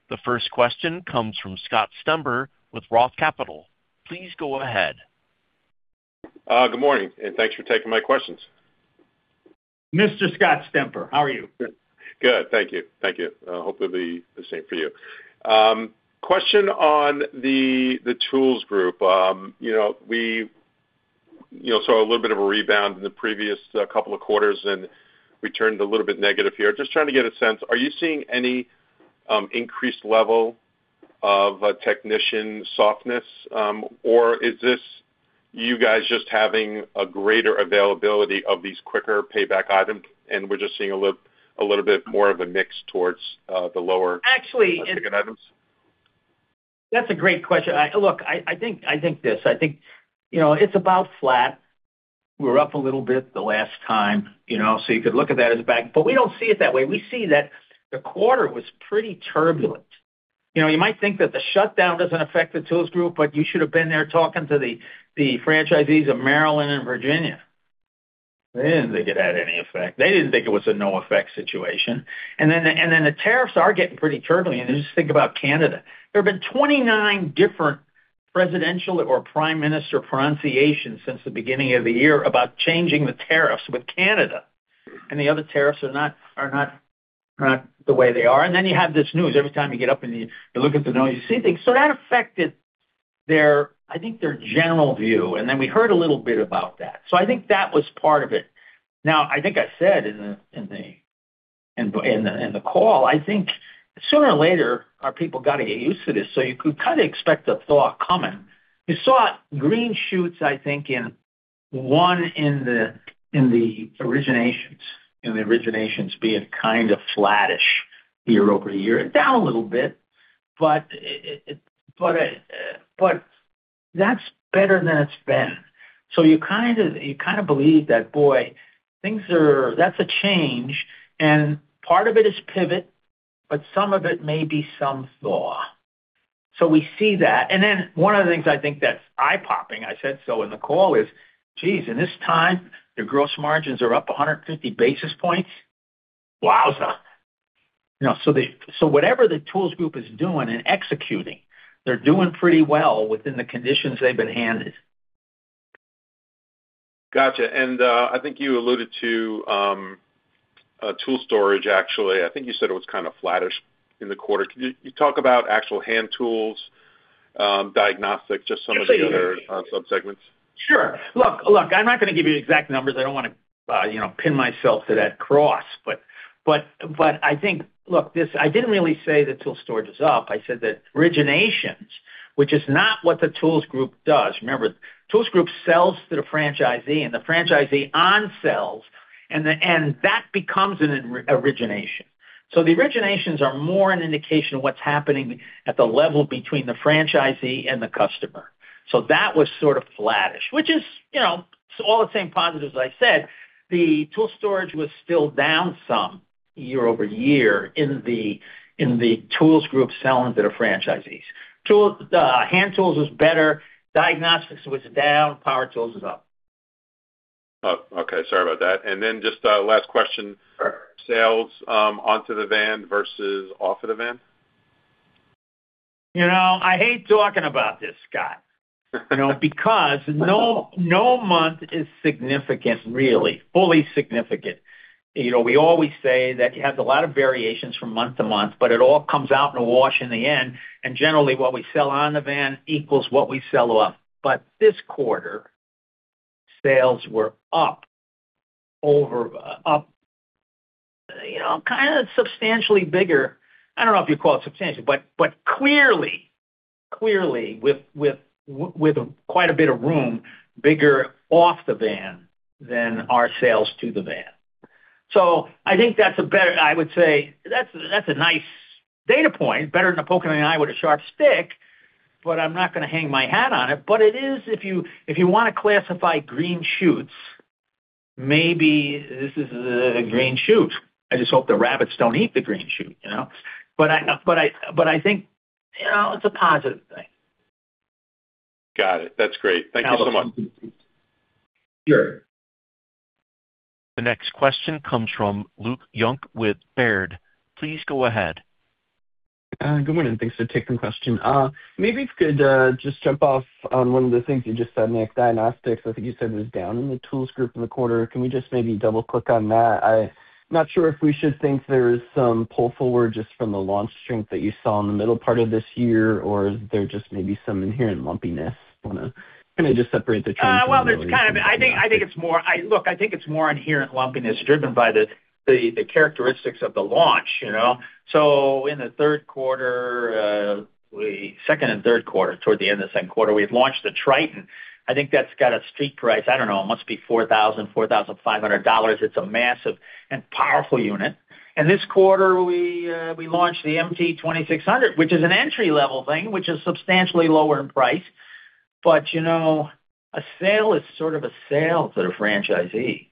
The first question comes from Scott Stember with Roth Capital. Please go ahead. Good morning, and thanks for taking my questions. Mr. Scott Stember, how are you? Good. Thank you. Thank you. Hopefully, the same for you. Question on the Tools Group. You know, you know, saw a little bit of a rebound in the previous couple of quarters and returned a little bit negative here. Just trying to get a sense, are you seeing any increased level of technician softness, or is this you guys just having a greater availability of these quicker payback items, and we're just seeing a little, a little bit more of a mix towards the lower. Actually. Ticket items? That's a great question. Look, I think this, you know, it's about flat. We were up a little bit the last time, you know, so you could look at that as back, but we don't see it that way. We see that the quarter was pretty turbulent. You know, you might think that the shutdown doesn't affect the Tools Group, but you should have been there talking to the franchisees of Maryland and Virginia. They didn't think it had any effect. They didn't think it was a no effect situation. And then the tariffs are getting pretty turbulent, and you just think about Canada. There have been 29 different presidential or prime minister pronunciations since the beginning of the year about changing the tariffs with Canada, and the other tariffs are not the way they are. And then you have this news every time you get up and you look at the news, you see things. So that affected their, I think, their general view, and then we heard a little bit about that. So I think that was part of it. Now, I think I said in the call, I think sooner or later our people gotta get used to this, so you could kind of expect a thaw coming. You saw green shoots, I think, in the originations being kind of flattish year-over-year. Down a little bit, but that's better than it's been. So you kind of believe that, boy, things are. That's a change, and part of it is pivot, but some of it may be some thaw. So we see that. And then one of the things I think that's eye-popping, I said so in the call is, geez, in this time, their gross margins are up 150 basis points? Wowza! You know, so they, so whatever the Tools Group is doing and executing, they're doing pretty well within the conditions they've been handed. Gotcha. And I think you alluded to tool storage, actually. I think you said it was kind of flattish in the quarter. Can you talk about actual hand tools, diagnostics, just some of the other subsegments? Sure. Sure. Look, look, I'm not gonna give you exact numbers. I don't wanna, you know, pin myself to that cross. But, but, but I think. Look, this, I didn't really say that tool storage is up. I said that originations, which is not what the Tools Group does. Remember, Tools Group sells to the franchisee, and the franchisee on sells, and that becomes an origination. So the originations are more an indication of what's happening at the level between the franchisee and the customer. So that was sort of flattish, which is, you know, all the same positives, as I said, the tool storage was still down some year-over-year in the, in the Tools Group selling to the franchisees. Hand tools was better, diagnostics was down, power tools was up. Oh, okay. Sorry about that. And then just a last question. Sure. Sales, onto the van versus off of the van? You know, I hate talking about this, Scott, you know, because no month is significant, really, fully significant. You know, we always say that it has a lot of variations from month to month, but it all comes out in a wash in the end, and generally, what we sell on the van equals what we sell off. But this quarter, sales were up, you know, kind of substantially bigger. I don't know if you'd call it substantially, but clearly with quite a bit of room, bigger off the van than our sales to the van. So I think that's a better, I would say that's a nice data point, better than a poke in the eye with a sharp stick, but I'm not gonna hang my hat on it. But it is, if you wanna classify green shoots, maybe this is a green shoot. I just hope the rabbits don't eat the green shoot, you know? But I think, you know, it's a positive thing. Got it. That's great. Thank you so much. Sure. The next question comes from Luke Junk with Baird. Please go ahead. Good morning, and thanks for taking the question. Maybe it's good, just jump off on one of the things you just said, Nick. Diagnostics, I think you said was down in the Tools Group in the quarter. Can we just maybe double-click on that? I'm not sure if we should think there is some pull forward just from the launch strength that you saw in the middle part of this year, or is there just maybe some inherent lumpiness? Wanna kind of just separate the two. Well, I think it's more. Look, I think it's more inherent lumpiness driven by the characteristics of the launch, you know? So in the second and third quarter, toward the end of the second quarter, we had launched the Triton. I think that's got a street price, I don't know, it must be $4,000-$4,500. It's a massive and powerful unit. And this quarter we launched the MT2600, which is an entry-level thing, which is substantially lower in price. But, you know, a sale is sort of a sale to the franchisee.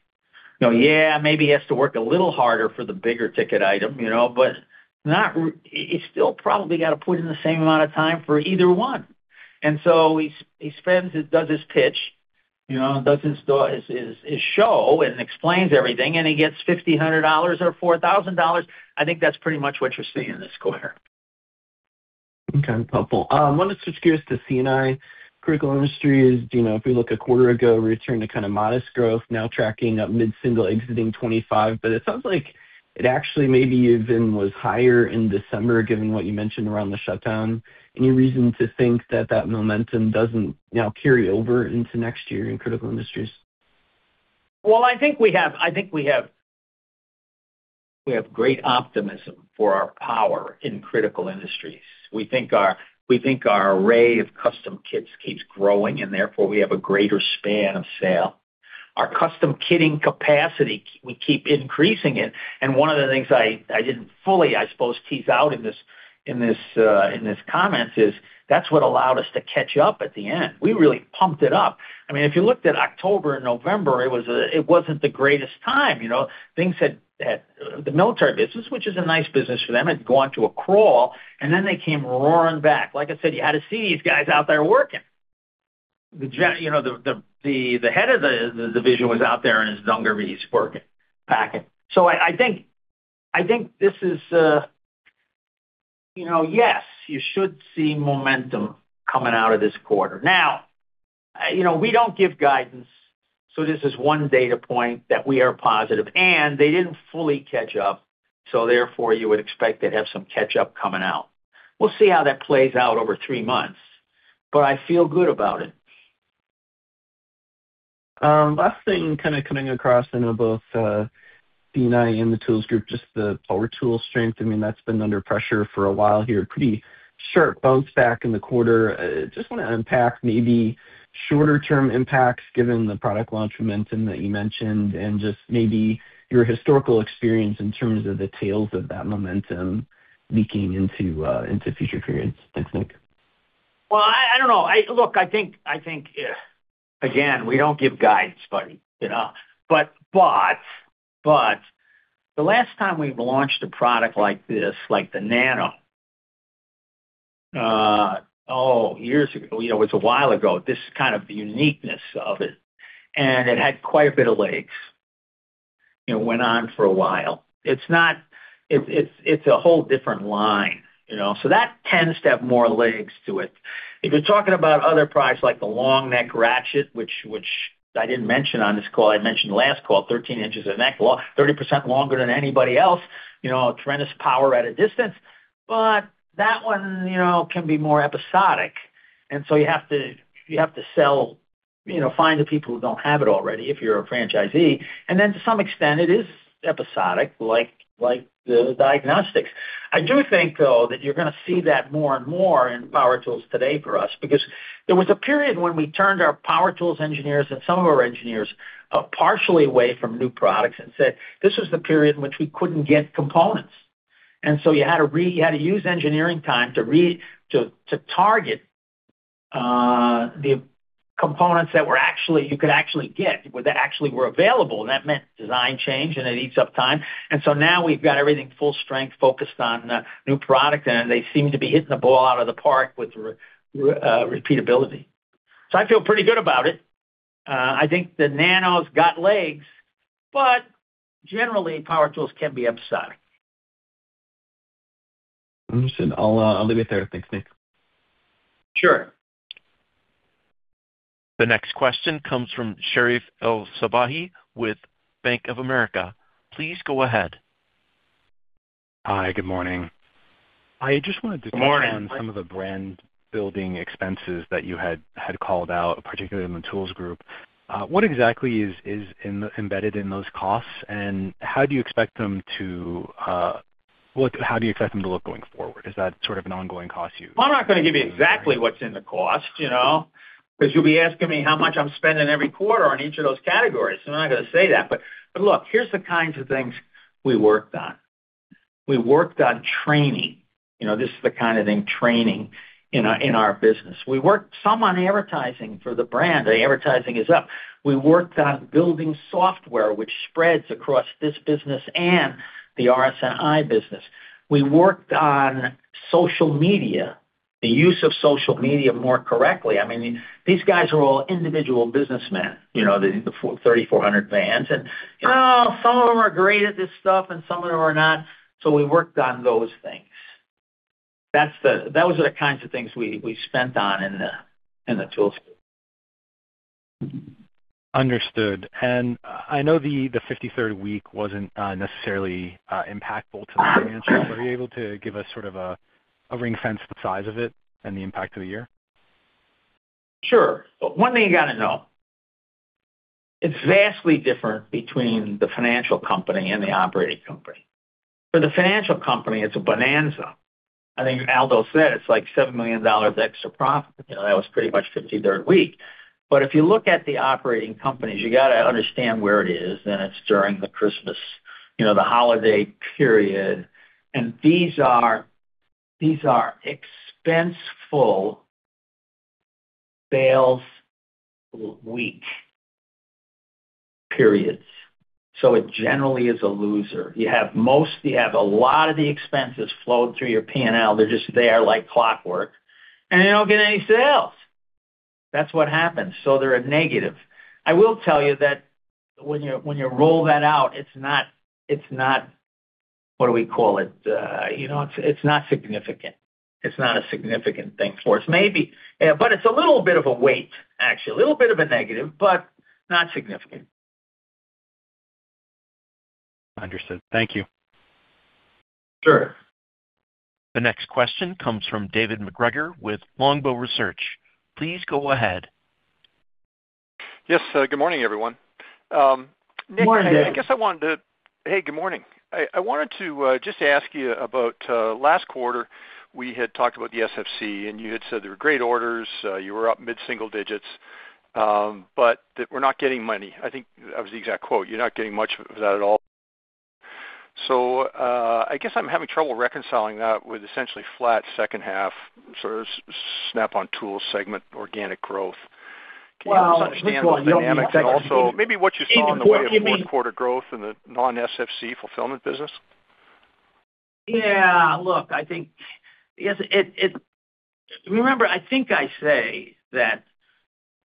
You know, yeah, maybe he has to work a little harder for the bigger ticket item, you know, but not really, he still probably gotta put in the same amount of time for either one. So he spends, he does his pitch, you know, does his store, his show and explains everything, and he gets $1,500 or $4,000. I think that's pretty much what you're seeing in this quarter. Okay, helpful. I wanted to switch gears to C&I. Critical Industries, you know, if we look a quarter ago, returned to kind of modest growth, now tracking up mid-single exiting 2025, but it sounds like it actually maybe even was higher in December, given what you mentioned around the shutdown. Any reason to think that that momentum doesn't now carry over into next year in critical industries? Well, I think we have great optimism for our power in critical industries. We think our array of custom kits keeps growing, and therefore we have a greater span of sale. Our custom kitting capacity, we keep increasing it, and one of the things I didn't fully, I suppose, tease out in these comments is that's what allowed us to catch up at the end. We really pumped it up. I mean, if you looked at October and November, it wasn't the greatest time, you know? Things had... The military business, which is a nice business for them, had gone to a crawl, and then they came roaring back. Like I said, you had to see these guys out there working. You know, the head of the division was out there in his dungarees, working, packing. So I think this is, you know, yes, you should see momentum coming out of this quarter. Now, you know, we don't give guidance, so this is one data point that we are positive, and they didn't fully catch up, so therefore you would expect to have some catch-up coming out. We'll see how that plays out over three months, but I feel good about it. Last thing kind of coming across, I know both, C&I and the Tools Group, just the power tool strength. I mean, that's been under pressure for a while here. Pretty sharp bounce back in the quarter. Just wanna unpack maybe shorter term impacts, given the product launch momentum that you mentioned, and just maybe your historical experience in terms of the tails of that momentum leaking into, into future periods. Thanks, Nick. Well, I don't know. Look, I think, again, we don't give guidance, but, you know, the last time we launched a product like this, like the Nano, years ago, you know, it's a while ago. This is kind of the uniqueness of it, and it had quite a bit of legs. It went on for a while. It's not. It's a whole different line, you know, so that tends to have more legs to it. If you're talking about other products, like the long neck ratchet, which I didn't mention on this call, I mentioned last call, 13 inches of neck long, 30% longer than anybody else, you know, tremendous power at a distance. But that one, you know, can be more episodic, and so you have to sell. You know, find the people who don't have it already if you're a franchisee. And then to some extent, it is episodic, like, like the diagnostics. I do think, though, that you're gonna see that more and more in power tools today for us, because there was a period when we turned our power tools engineers and some of our engineers partially away from new products and said, "This was the period in which we couldn't get components." And so you had to use engineering time to target the components that were actually, you could actually get, that actually were available, and that meant design change, and it eats up time. And so now we've got everything full strength, focused on new product, and they seem to be hitting the ball out of the park with repeatability. I feel pretty good about it. I think the Nano's got legs, but generally, power tools can be episodic. Understood. I'll, I'll leave it there. Thanks, Nick. Sure. The next question comes from Sherif El-Sabbahy with Bank of America. Please go ahead. Hi, good morning. I just wanted to, Good morning Understand some of the brand building expenses that you had called out, particularly in the Tools Group. What exactly is embedded in those costs, and how do you expect them to look going forward? Is that sort of an ongoing cost to you? Well, I'm not gonna give you exactly what's in the cost, you know, because you'll be asking me how much I'm spending every quarter on each of those categories, so I'm not gonna say that. But, but look, here's the kinds of things we worked on. We worked on training. You know, this is the kind of thing, training, in our, in our business. We worked some on advertising for the brand. The advertising is up. We worked on building software, which spreads across this business and the RS&I business. We worked on social media, the use of social media more correctly. I mean, these guys are all individual businessmen, you know, the 3,400 vans, and, you know, some of them are great at this stuff and some of them are not. So we worked on those things. That's the. Those are the kinds of things we spent on in the tools. Understood. I know the fifty-third week wasn't necessarily impactful to the financials. Are you able to give us sort of a ring fence the size of it and the impact of the year? Sure. One thing you gotta know, it's vastly different between the financial company and the operating company. For the financial company, it's a bonanza. I think Aldo said, it's like $7 million extra profit. You know, that was pretty much 53rd week. But if you look at the operating companies, you gotta understand where it is, and it's during the Christmas, you know, the holiday period, and these are, these are expense-full sales week periods. So it generally is a loser. You have a lot of the expenses flowed through your P&L. They're just there like clockwork, and you don't get any sales. That's what happens. So they're a negative. I will tell you that when you, when you roll that out, it's not, it's not. What do we call it? You know, it's, it's not significant. It's not a significant thing for us. Maybe, but it's a little bit of a weight, actually, a little bit of a negative, but not significant. Understood. Thank you. Sure. The next question comes from David McGregor with Longbow Research. Please go ahead. Yes, good morning, everyone. Nick. Good morning, David. I guess I wanted to. Hey, good morning. I wanted to just ask you about last quarter, we had talked about the SFC, and you had said there were great orders, you were up mid-single digits, but that we're not getting money. I think that was the exact quote: "You're not getting much of that at all." So, I guess I'm having trouble reconciling that with essentially flat second half, sort of, Snap-on Tool segment, organic growth. Well, Can you help us understand the dynamic, and also maybe what you saw in the way of fourth quarter growth in the non-SFC fulfillment business? Yeah, look, I think. Yes, it, remember, I think I say that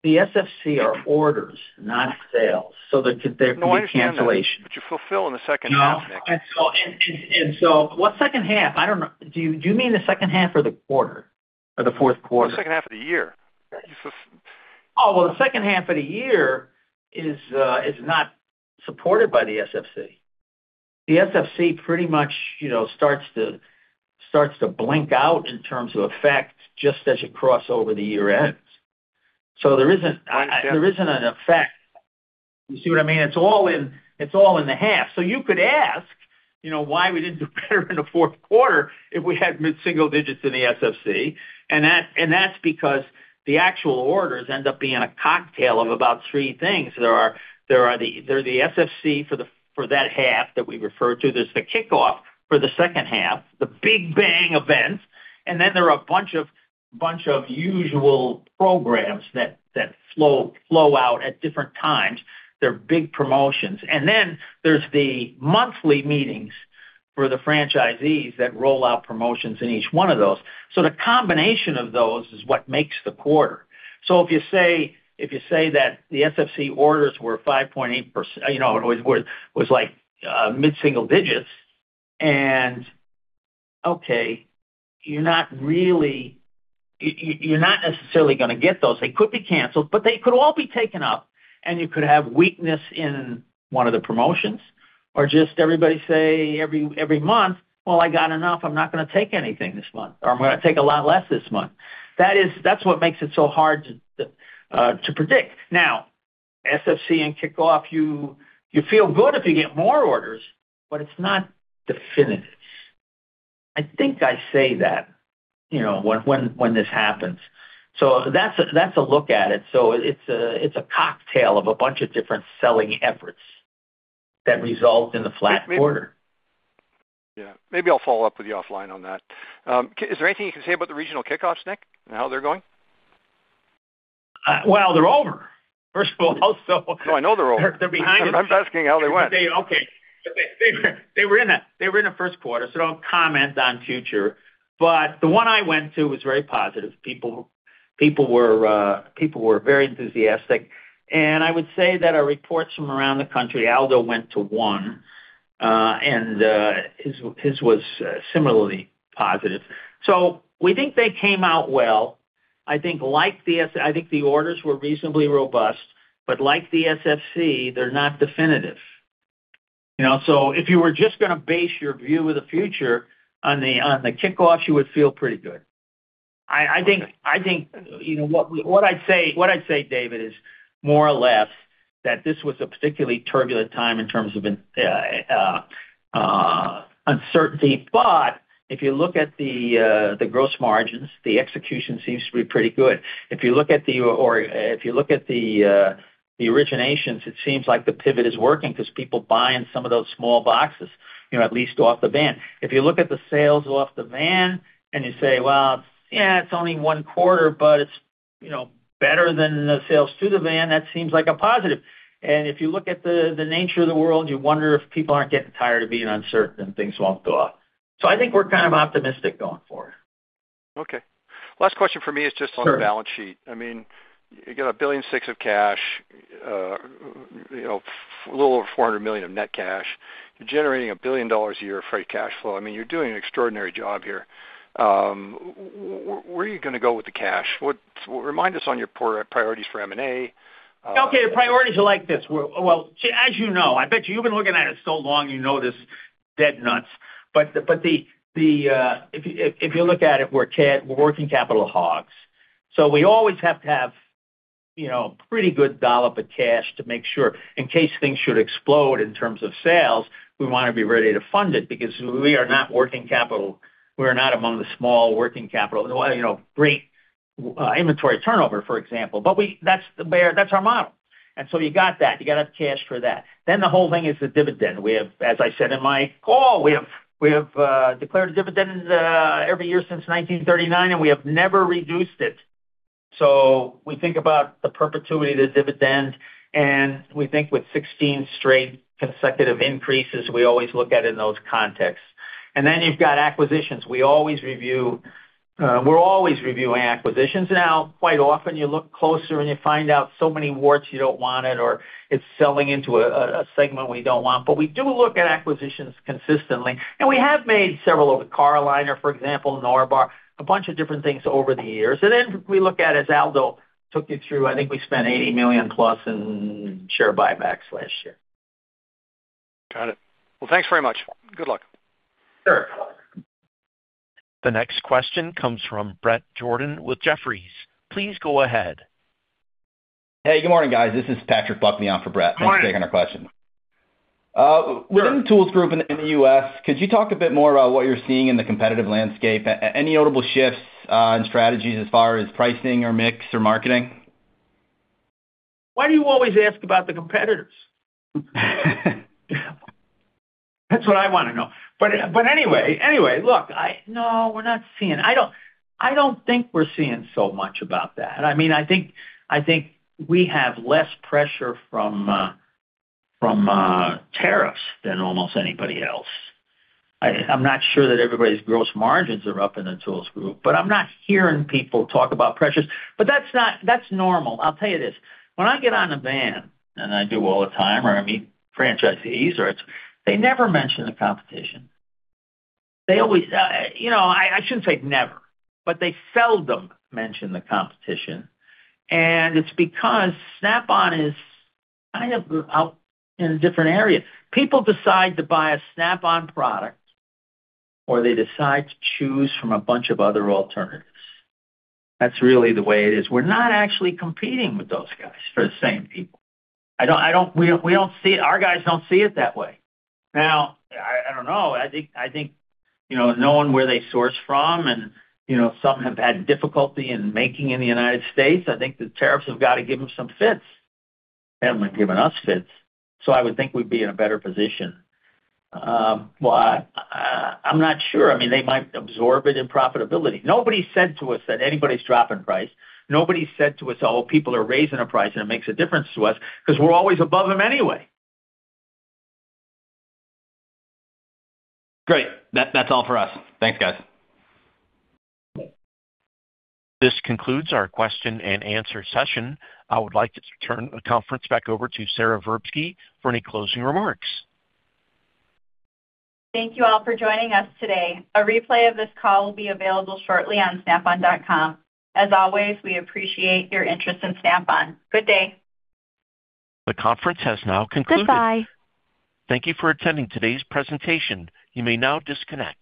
the SFC are orders, not sales, so there could be cancellations. No, I understand that. But you fulfill in the second half, Nick. So, what second half? I don't know. Do you mean the second half or the quarter, or the fourth quarter? The second half of the year. Oh, well, the second half of the year is, is not supported by the SFC. The SFC pretty much, you know, starts to, starts to blink out in terms of effect, just as you cross over the year ends. So there isn't, there isn't an effect. You see what I mean? It's all in, it's all in the half. So you could ask, you know, why we didn't do better in the fourth quarter if we had mid-single digits in the SFC, and that, and that's because the actual orders end up being a cocktail of about three things. There are, there are the, there are the SFC for the, for that half that we referred to. There's the kickoff for the second half, the big bang events, and then there are a bunch of, bunch of usual programs that, that flow, flow out at different times. They're big promotions. And then there's the monthly meetings for the franchisees that roll out promotions in each one of those. So the combination of those is what makes the quarter. So if you say that the SFC orders were 5.8%. You know, it was like mid-single digits, and okay, you're not really, you're not necessarily gonna get those. They could be canceled, but they could all be taken up, and you could have weakness in one of the promotions or just everybody say every month, "Well, I got enough. I'm not gonna take anything this month," or, "I'm gonna take a lot less this month." That is, that's what makes it so hard to predict. Now, SFC and kickoff, you feel good if you get more orders, but it's not definitive. I think I say that, you know, when this happens. So that's a look at it. So it's a cocktail of a bunch of different selling efforts that result in the flat quarter. Yeah. Maybe I'll follow up with you offline on that. Is there anything you can say about the regional kickoffs, Nick, and how they're going? Well, they're over, first of all, so. No, I know they're over. They're behind us. I'm asking how they went. Okay. They were in the first quarter, so don't comment on future, but the one I went to was very positive. People were very enthusiastic, and I would say that our reports from around the country, Aldo went to one, and his was similarly positive. So we think they came out well. I think like the SFC, I think the orders were reasonably robust, but like the SFC, they're not definitive, you know? So if you were just gonna base your view of the future on the kickoffs, you would feel pretty good. I think, you know, what I'd say, David, is more or less that this was a particularly turbulent time in terms of uncertainty. But if you look at the, the gross margins, the execution seems to be pretty good. If you look at the... or if you look at the, the originations, it seems like the pivot is working because people buying some of those small boxes, you know, at least off the van. If you look at the sales off the van and you say, "Well, yeah, it's only one quarter, but it's, you know, better than the sales to the van," that seems like a positive. And if you look at the, the nature of the world, you wonder if people aren't getting tired of being uncertain, and things won't go up. So I think we're kind of optimistic going forward. Okay. Last question for me is just, Sure. On the balance sheet. I mean, you got $1.6 billion of cash, you know, a little over $400 million of net cash. You're generating $1 billion a year of free cash flow. I mean, you're doing an extraordinary job here. Where are you gonna go with the cash? What, remind us on your core priorities for M&A. Okay, the priorities are like this. Well, as you know, I bet you, you've been looking at it so long, you know this dead nuts. But if you look at it, we're working capital hogs, so we always have to have, you know, pretty good dollop of cash to make sure in case things should explode in terms of sales, we wanna be ready to fund it, because we are not working capital. We are not among the small working capital, you know, great inventory turnover, for example. But that's the bear, that's our model, and so you got that. You gotta have cash for that. Then, the whole thing is the dividend. We have, as I said in my call, declared a dividend every year since 1939, and we have never reduced it. So we think about the perpetuity of the dividend, and we think with 16 straight consecutive increases, we always look at it in those contexts. And then you've got acquisitions. We always review... we're always reviewing acquisitions. Now, quite often, you look closer, and you find out so many warts, you don't want it or it's selling into a segment we don't want. But we do look at acquisitions consistently, and we have made several over the Car-O-Liner, for example, Norbar, a bunch of different things over the years. And then we look at, as Aldo took you through, I think we spent $80 million plus in share buybacks last year. Got it. Well, thanks very much. Good luck. Sure. The next question comes from Brett Jordan with Jefferies. Please go ahead. Hey, good morning, guys. This is Patrick Buckley on for Brett. Hi. Thanks for taking our question. Sure. Within the Tools Group in the U.S., could you talk a bit more about what you're seeing in the competitive landscape? Any notable shifts in strategies as far as pricing or mix or marketing? Why do you always ask about the competitors? That's what I wanna know. But anyway, look, No, we're not seeing. I don't think we're seeing so much about that. I mean, I think we have less pressure from tariffs than almost anybody else. I'm not sure that everybody's gross margins are up in the Tools Group, but I'm not hearing people talk about pressures. But that's normal. I'll tell you this, when I get on a van, and I do all the time, or I meet franchisees, They never mention the competition. They always, you know, I shouldn't say never, but they seldom mention the competition, and it's because Snap-on is kind of out in a different area. People decide to buy a Snap-on product, or they decide to choose from a bunch of other alternatives. That's really the way it is. We're not actually competing with those guys for the same people. I don't, we don't see it, our guys don't see it that way. Now, I don't know. I think, you know, knowing where they source from, and, you know, some have had difficulty in making in the United States, I think the tariffs have gotta give them some fits. They haven't given us fits, so I would think we'd be in a better position. Well, I'm not sure. I mean, they might absorb it in profitability. Nobody's said to us that anybody's dropping price. Nobody's said to us, "Oh, people are raising their price," and it makes a difference to us 'cause we're always above them anyway. Great. That, that's all for us. Thanks, guys. This concludes our question-and-answer session. I would like to turn the conference back over to Sara Verbsky for any closing remarks. Thank you all for joining us today. A replay of this call will be available shortly on snapon.com. As always, we appreciate your interest in Snap-on. Good day. The conference has now concluded. Goodbye. Thank you for attending today's presentation. You may now disconnect.